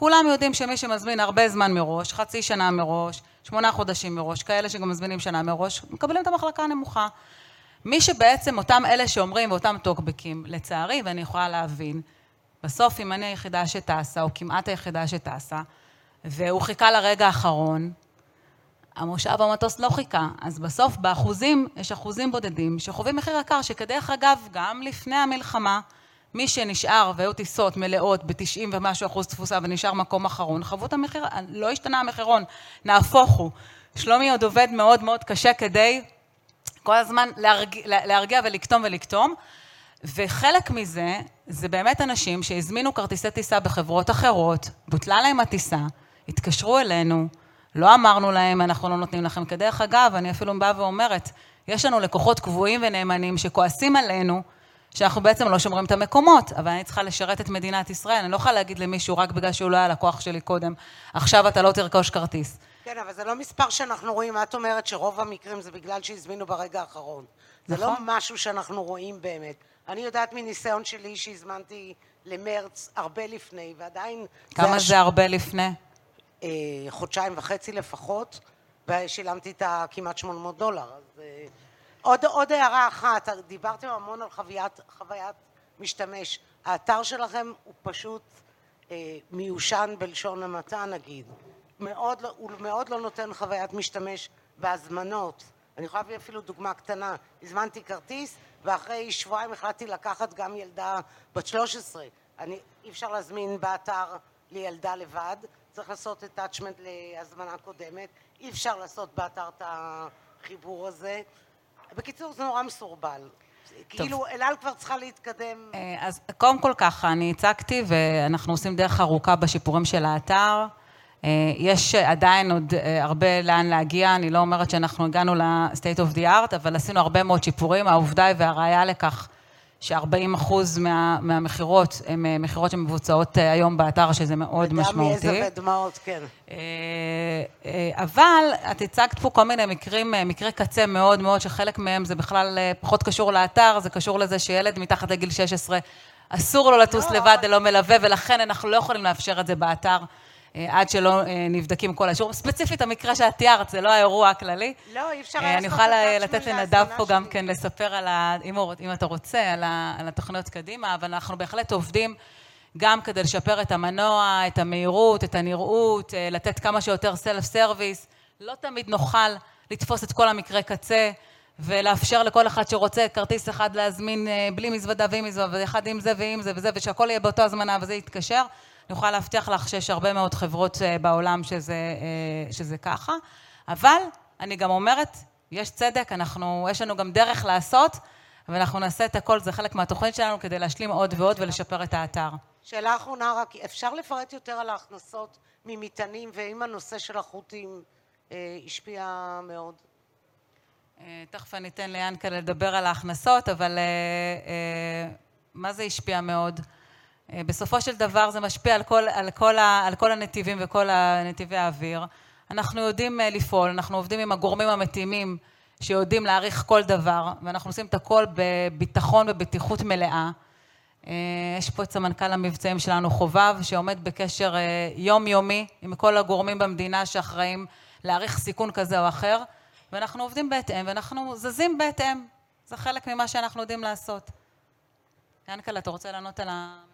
כולם יודעים שמי שמזמין הרבה זמן מראש, חצי שנה מראש, שמונה חודשים מראש, כאלה שגם מזמינים שנה מראש, מקבלים את המחלקה הנמוכה. מי שבעצם, אותם אלה שאומרים ואותם טוקבקים, לצערי ואני יכולה להבין, בסוף אם אני היחידה שטסה או כמעט היחידה שטסה והוא חיכה לרגע האחרון, המושב במטוס לא חיכה, אז בסוף באחוזים יש אחוזים בודדים שחווים מחיר יקר, שכדרך אגב, גם לפני המלחמה, מי שנשאר והיו טיסות מלאות ב-90% ומשהו תפוסה ונשאר מקום אחרון, חוו את המחיר, לא השתנה המחירון, נהפוך הוא. שלומי עוד עובד מאוד מאוד קשה כדי כל הזמן להרגיע ולקטום ולקטום וחלק מזה זה באמת אנשים שהזמינו כרטיסי טיסה בחברות אחרות, בוטלה להם הטיסה, התקשרו אלינו, לא אמרנו להם אנחנו לא נותנים לכם. כדרך אגב, אני אפילו באה ואומרת, יש לנו לקוחות קבועים ונאמנים שכועסים עלינו שאנחנו בעצם לא שומרים את המקומות, אבל אני צריכה לשרת את מדינת ישראל, אני לא יכולה להגיד למישהו רק בגלל שהוא לא היה לקוח שלי קודם, עכשיו אתה לא תרכוש כרטיס. כן, אבל זה לא מספר שאנחנו רואים. את אומרת שרוב המקרים זה בגלל שהזמינו ברגע האחרון, זה לא משהו שאנחנו רואים באמת. אני יודעת מניסיון שלי שהזמנתי למרץ הרבה לפני ועדיין... כמה זה הרבה לפני? חודשיים וחצי לפחות ושילמתי את הכמעט $800. עוד הערה אחת, דיברתם המון על חוויית משתמש, האתר שלכם הוא פשוט מיושן בלשון המעטה נגיד, מאוד הוא מאוד לא נותן חוויית משתמש והזמנות. אני יכולה להביא אפילו דוגמה קטנה, הזמנתי כרטיס ואחרי שבועיים החלטתי לקחת גם ילדה בת 13, אני אי אפשר להזמין באתר לילדה לבד, צריך לעשות attachment להזמנה קודמת, אי אפשר לעשות באתר את החיבור הזה. בקיצור, זה נורא מסורבל, כאילו אל על כבר צריכה להתקדם... אז קודם כל ככה, אני הצגתי ואנחנו עושים דרך ארוכה בשיפורים של האתר, יש עדיין עוד הרבה לאן להגיע, אני לא אומרת שאנחנו הגענו ל-State of the Art, אבל עשינו הרבה מאוד שיפורים. העובדה היא והראיה לכך ש-40% מהמכירות הן מכירות שמבוצעות היום באתר, שזה מאוד משמעותי. גם לי זה בדמעות, כן. אבל את הצגת פה כל מיני מקרים, מקרה קצה מאוד מאוד שחלק מהם זה בכלל פחות קשור לאתר, זה קשור לזה שילד מתחת לגיל 16 אסור לו לטוס לבד ללא מלווה ולכן אנחנו לא יכולים לאפשר את זה באתר עד שלא נבדקים כל האישורים. ספציפית המקרה של ה-TeArt, זה לא האירוע הכללי. לא, אי אפשר היה... אני יכולה לתת לנדב פה גם כן לספר על ה... אם אתה רוצה, על התוכניות קדימה, אבל אנחנו בהחלט עובדים גם כדי לשפר את המנוע, את המהירות, את הנראות, לתת כמה שיותר self-service. לא תמיד נוכל לתפוס את כל המקרה קצה ולאפשר לכל אחד שרוצה כרטיס אחד להזמין בלי מזוודה ועם מזוודה ואחד עם זה ועם זה וזה ושהכול יהיה באותה הזמנה וזה יתקשר. אני יכולה להבטיח לך שיש הרבה מאוד חברות בעולם שזה ככה, אבל אני גם אומרת, יש צדק. אנחנו יש לנו גם דרך לעשות ואנחנו נעשה את הכול, זה חלק מהתוכנית שלנו כדי להשלים עוד ועוד ולשפר את האתר. שאלה אחרונה רק, אפשר לפרט יותר על ההכנסות ממטענים ואם הנושא של החוטים השפיע מאוד? תכף אני אתן ליען קלה לדבר על ההכנסות, אבל מה זה השפיע מאוד? בסופו של דבר זה משפיע על כל הנתיבים וכל נתיבי האוויר. אנחנו יודעים לפעול, אנחנו עובדים עם הגורמים המתאימים שיודעים להעריך כל דבר ואנחנו עושים את הכול בביטחון ובטיחות מלאה. יש פה את סמנכ"ל המבצעים שלנו, חובב, שעומד בקשר יומיומי עם כל הגורמים במדינה שאחראים להעריך סיכון כזה או אחר ואנחנו עובדים בהתאם ואנחנו זזים בהתאם, זה חלק ממה שאנחנו יודעים לעשות. יען קלה, אתה רוצה לענות על המטענים?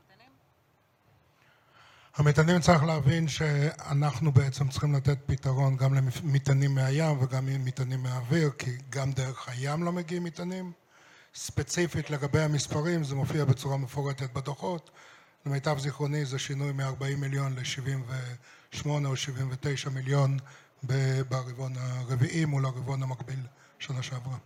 המטענים, צריך להבין שאנחנו בעצם צריכים לתת פתרון גם למטענים מהים וגם למטענים מהאוויר, כי גם דרך הים לא מגיעים מטענים. ספציפית לגבי המספרים, זה מופיע בצורה מפורטת בדוחות, למיטב זיכרוני זה שינוי מ-40 מיליון ל-78 או 79 מיליון ברבעון הרביעי מול הרבעון המקביל שנה שעברה.